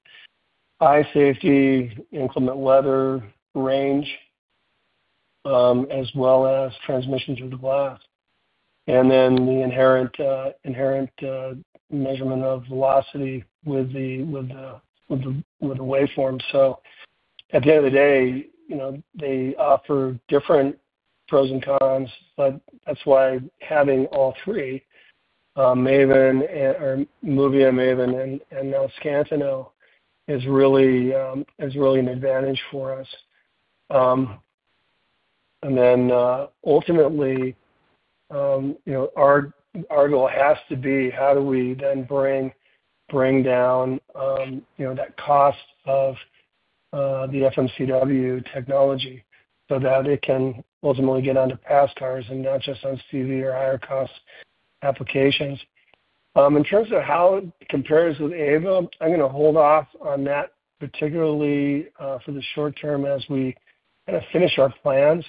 eye safety, inclement weather, range, as well as transmission through the glass, and then the inherent measurement of velocity with the waveform. At the end of the day, they offer different pros and cons, but that's why having all three, MAVIN, MOVIA and MAVIN, and now Scantinel, is really an advantage for us. Ultimately, our goal has to be, how do we then bring down that cost of the FMCW technology so that it can ultimately get onto pass cars and not just on CV or higher-cost applications. In terms of how it compares with Aeva, I'm going to hold off on that, particularly for the short term as we kind of finish our plans.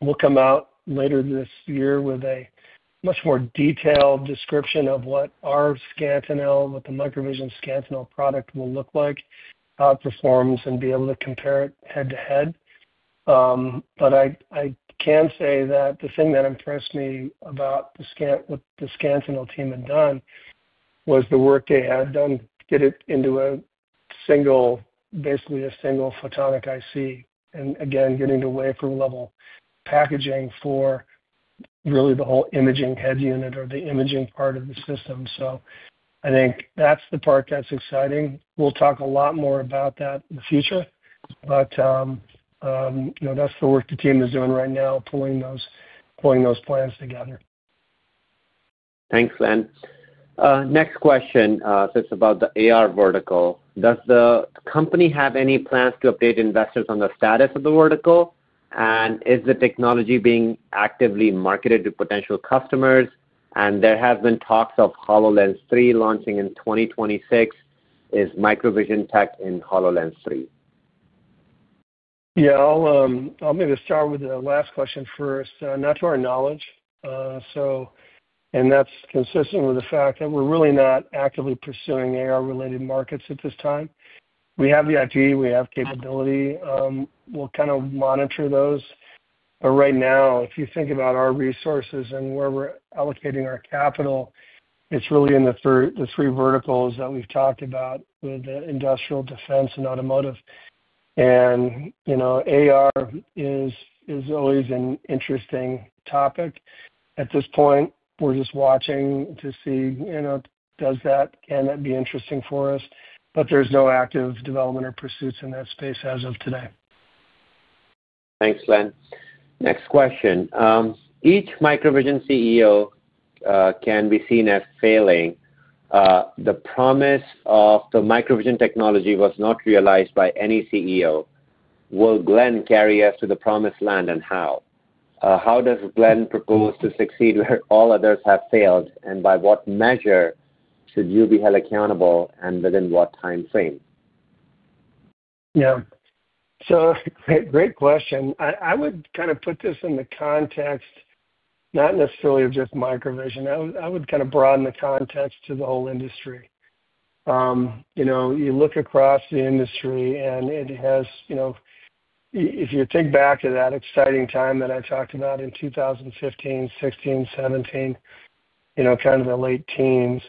We'll come out later this year with a much more detailed description of what our Scantinel, what the MicroVision Scantinel product will look like, how it performs, and be able to compare it head-to-head. I can say that the thing that impressed me about what the Scantinel team had done was the work they had done to get it into basically a single photonic IC and, again, getting to waveform-level packaging for really the whole imaging head unit or the imaging part of the system. I think that's the part that's exciting. We'll talk a lot more about that in the future, but that's the work the team is doing right now, pulling those plans together. Thanks, Glen. Next question. It is about the AR vertical. Does the company have any plans to update investors on the status of the vertical? Is the technology being actively marketed to potential customers? There have been talks of HoloLens 3 launching in 2026. Is MicroVision tech in HoloLens 3? Yeah. I'll maybe start with the last question first. Not to our knowledge. So. And that's consistent with the fact that we're really not actively pursuing AR-related markets at this time. We have the IP. We have capability. We'll kind of monitor those. Right now, if you think about our resources and where we're allocating our capital, it's really in the three verticals that we've talked about with the industrial, defense, and automotive. AR is always an interesting topic. At this point, we're just watching to see can that be interesting for us, but there's no active development or pursuits in that space as of today. Thanks, Glen. Next question. Each MicroVision CEO can be seen as failing. The promise of the MicroVision technology was not realized by any CEO. Will Glen carry us to the promised land, and how? How does Glen propose to succeed where all others have failed, and by what measure should you be held accountable, and within what timeframe? Yeah. Great question. I would kind of put this in the context, not necessarily of just MicroVision. I would kind of broaden the context to the whole industry. You look across the industry, and it has, if you think back to that exciting time that I talked about in 2015, 2016, 2017, kind of the late teens,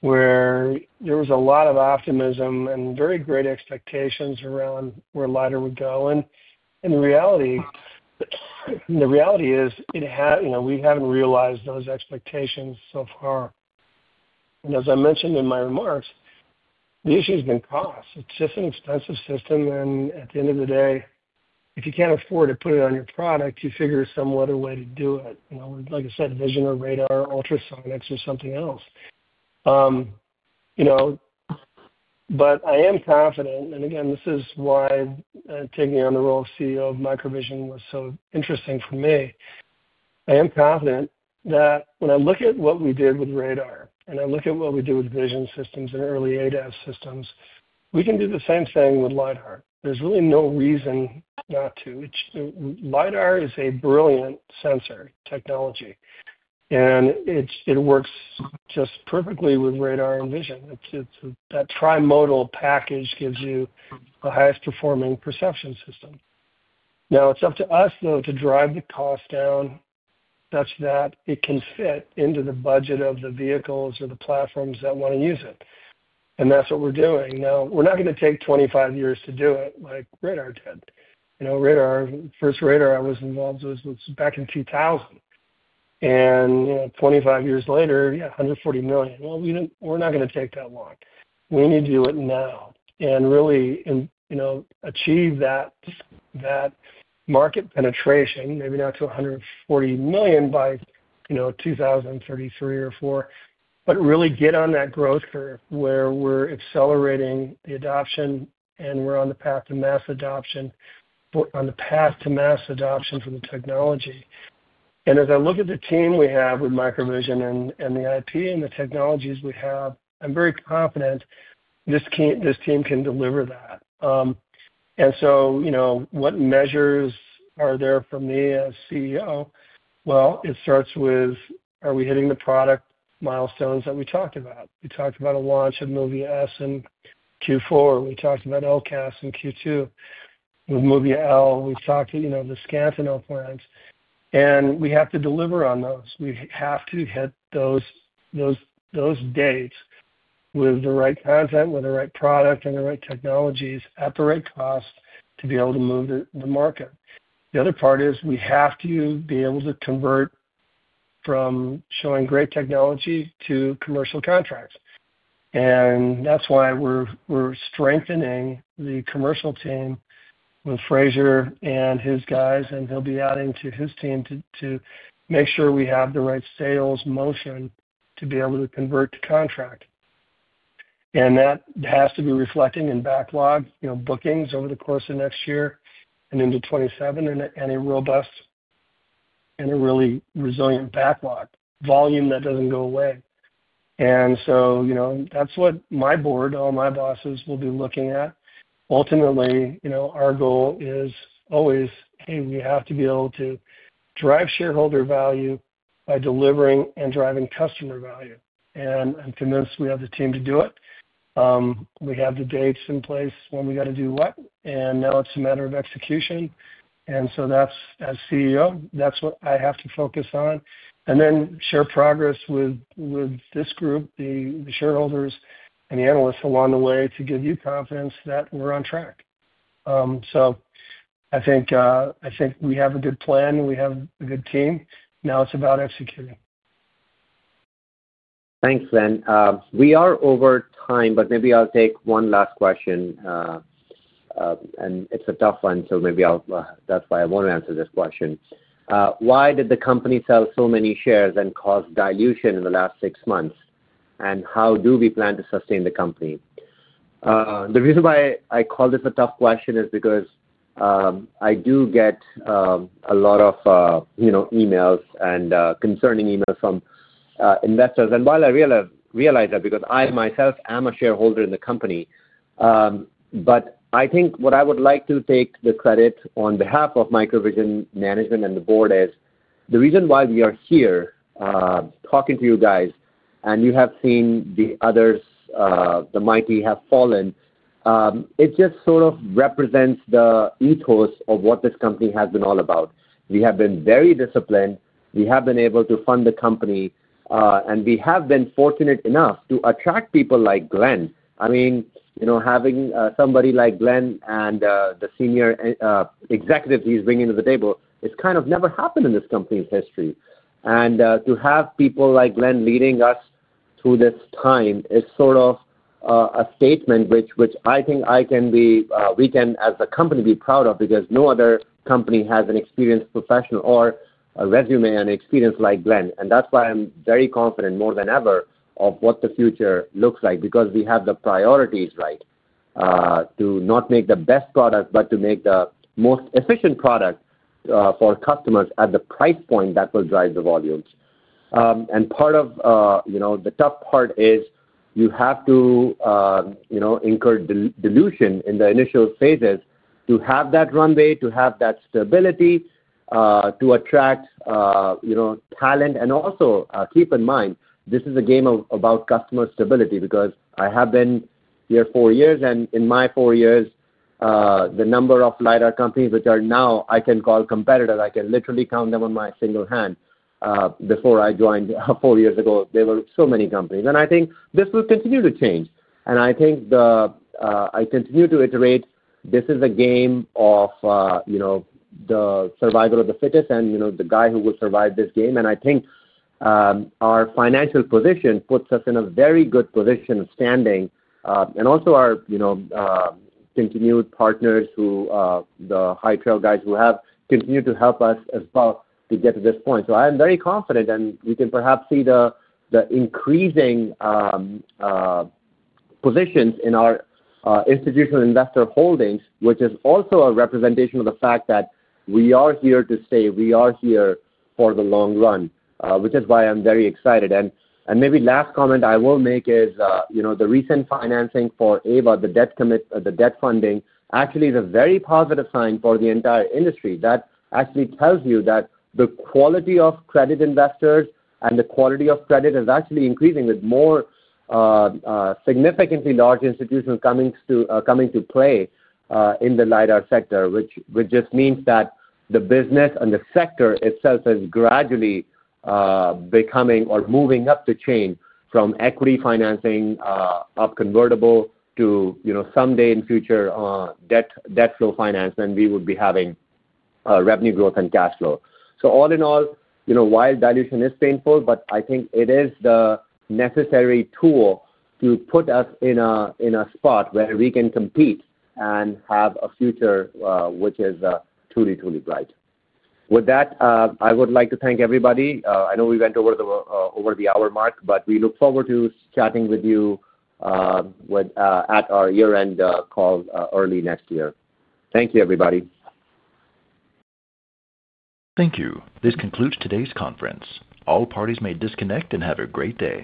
where there was a lot of optimism and very great expectations around where lidar would go. The reality is we have not realized those expectations so far. As I mentioned in my remarks, the issue has been cost. It is just an expensive system, and at the end of the day, if you cannot afford to put it on your product, you figure some other way to do it, like I said, vision or radar or ultrasonics or something else. I am confident, and again, this is why taking on the role of CEO of MicroVision was so interesting for me. I am confident that when I look at what we did with radar, and I look at what we do with vision systems and early ADAS systems, we can do the same thing with lidar. There is really no reason not to. Lidar is a brilliant sensor technology, and it works just perfectly with radar and vision. That trimodal package gives you the highest-performing perception system. Now, it is up to us, though, to drive the cost down such that it can fit into the budget of the vehicles or the platforms that want to use it. That is what we are doing. We are not going to take 25 years to do it like radar did. First radar I was involved with was back in 2000. Twenty-five years later, yeah, $140 million. We are not going to take that long. We need to do it now and really achieve that market penetration, maybe not to $140 million by 2033 or 2034, but really get on that growth curve where we are accelerating the adoption, and we are on the path to mass adoption for the technology. As I look at the team we have with MicroVision and the IP and the technologies we have, I am very confident this team can deliver that. What measures are there for me as CEO? It starts with, are we hitting the product milestones that we talked about? We talked about a launch of MOVIA S in Q4. We talked about LCAS in Q2 with MOVIA L. We talked about the Scantinel plans, and we have to deliver on those. We have to hit those dates with the right content, with the right product, and the right technologies at the right cost to be able to move the market. The other part is we have to be able to convert from showing great technology to commercial contracts. That is why we are strengthening the commercial team with Fraser and his guys, and he will be adding to his team to make sure we have the right sales motion to be able to convert to contract. That has to be reflected in backlog bookings over the course of next year and into 2027 and a robust and a really resilient backlog volume that does not go away. That is what my board, all my bosses will be looking at. Ultimately, our goal is always, hey, we have to be able to drive shareholder value by delivering and driving customer value. I'm convinced we have the team to do it. We have the dates in place when we got to do what, and now it's a matter of execution. As CEO, that's what I have to focus on and then share progress with this group, the shareholders, and the analysts along the way to give you confidence that we're on track. I think we have a good plan, and we have a good team. Now it's about executing. Thanks, Glen. We are over time, but maybe I'll take one last question, and it's a tough one, so maybe that's why I won't answer this question. Why did the company sell so many shares and cause dilution in the last six months, and how do we plan to sustain the company? The reason why I call this a tough question is because I do get a lot of emails and concerning emails from investors. I realize that because I myself am a shareholder in the company, but I think what I would like to take the credit on behalf of MicroVision management and the Board is the reason why we are here talking to you guys, and you have seen the others, the mighty, have fallen. It just sort of represents the ethos of what this company has been all about. We have been very disciplined. We have been able to fund the company, and we have been fortunate enough to attract people like Glen. I mean, having somebody like Glen and the senior executives he's bringing to the table, it's kind of never happened in this company's history. To have people like Glen leading us through this time is sort of a statement which I think we can, as a company, be proud of because no other company has an experienced professional or a resume and experience like Glen. That's why I'm very confident more than ever of what the future looks like because we have the priorities right to not make the best product, but to make the most efficient product for customers at the price point that will drive the volumes. Part of the tough part is you have to incur dilution in the initial phases to have that runway, to have that stability, to attract talent. Also keep in mind, this is a game about customer stability because I have been here four years, and in my four years, the number of lidar companies which are now I can call competitors, I can literally count them on my single hand. Before I joined four years ago, there were so many companies. I think this will continue to change. I think I continue to iterate. This is a game of the survivor of the fittest and the guy who will survive this game. I think our financial position puts us in a very good position standing. Also our continued partners, the High Trail guys who have continued to help us as well to get to this point. I am very confident, and we can perhaps see the increasing positions in our institutional investor holdings, which is also a representation of the fact that we are here to stay. We are here for the long run, which is why I'm very excited. Maybe the last comment I will make is the recent financing for Aeva, the debt funding, actually is a very positive sign for the entire industry. That actually tells you that the quality of credit investors and the quality of credit is actually increasing with more significantly large institutions coming to play in the lidar sector, which just means that the business and the sector itself is gradually becoming or moving up the chain from equity financing up convertible to someday in future debt-flow finance, and we would be having revenue growth and cash flow. All in all, while dilution is painful, I think it is the necessary tool to put us in a spot where we can compete and have a future which is truly, truly bright. With that, I would like to thank everybody. I know we went over the hour mark, but we look forward to chatting with you at our year-end call early next year. Thank you, everybody. Thank you. This concludes today's conference. All parties may disconnect and have a great day.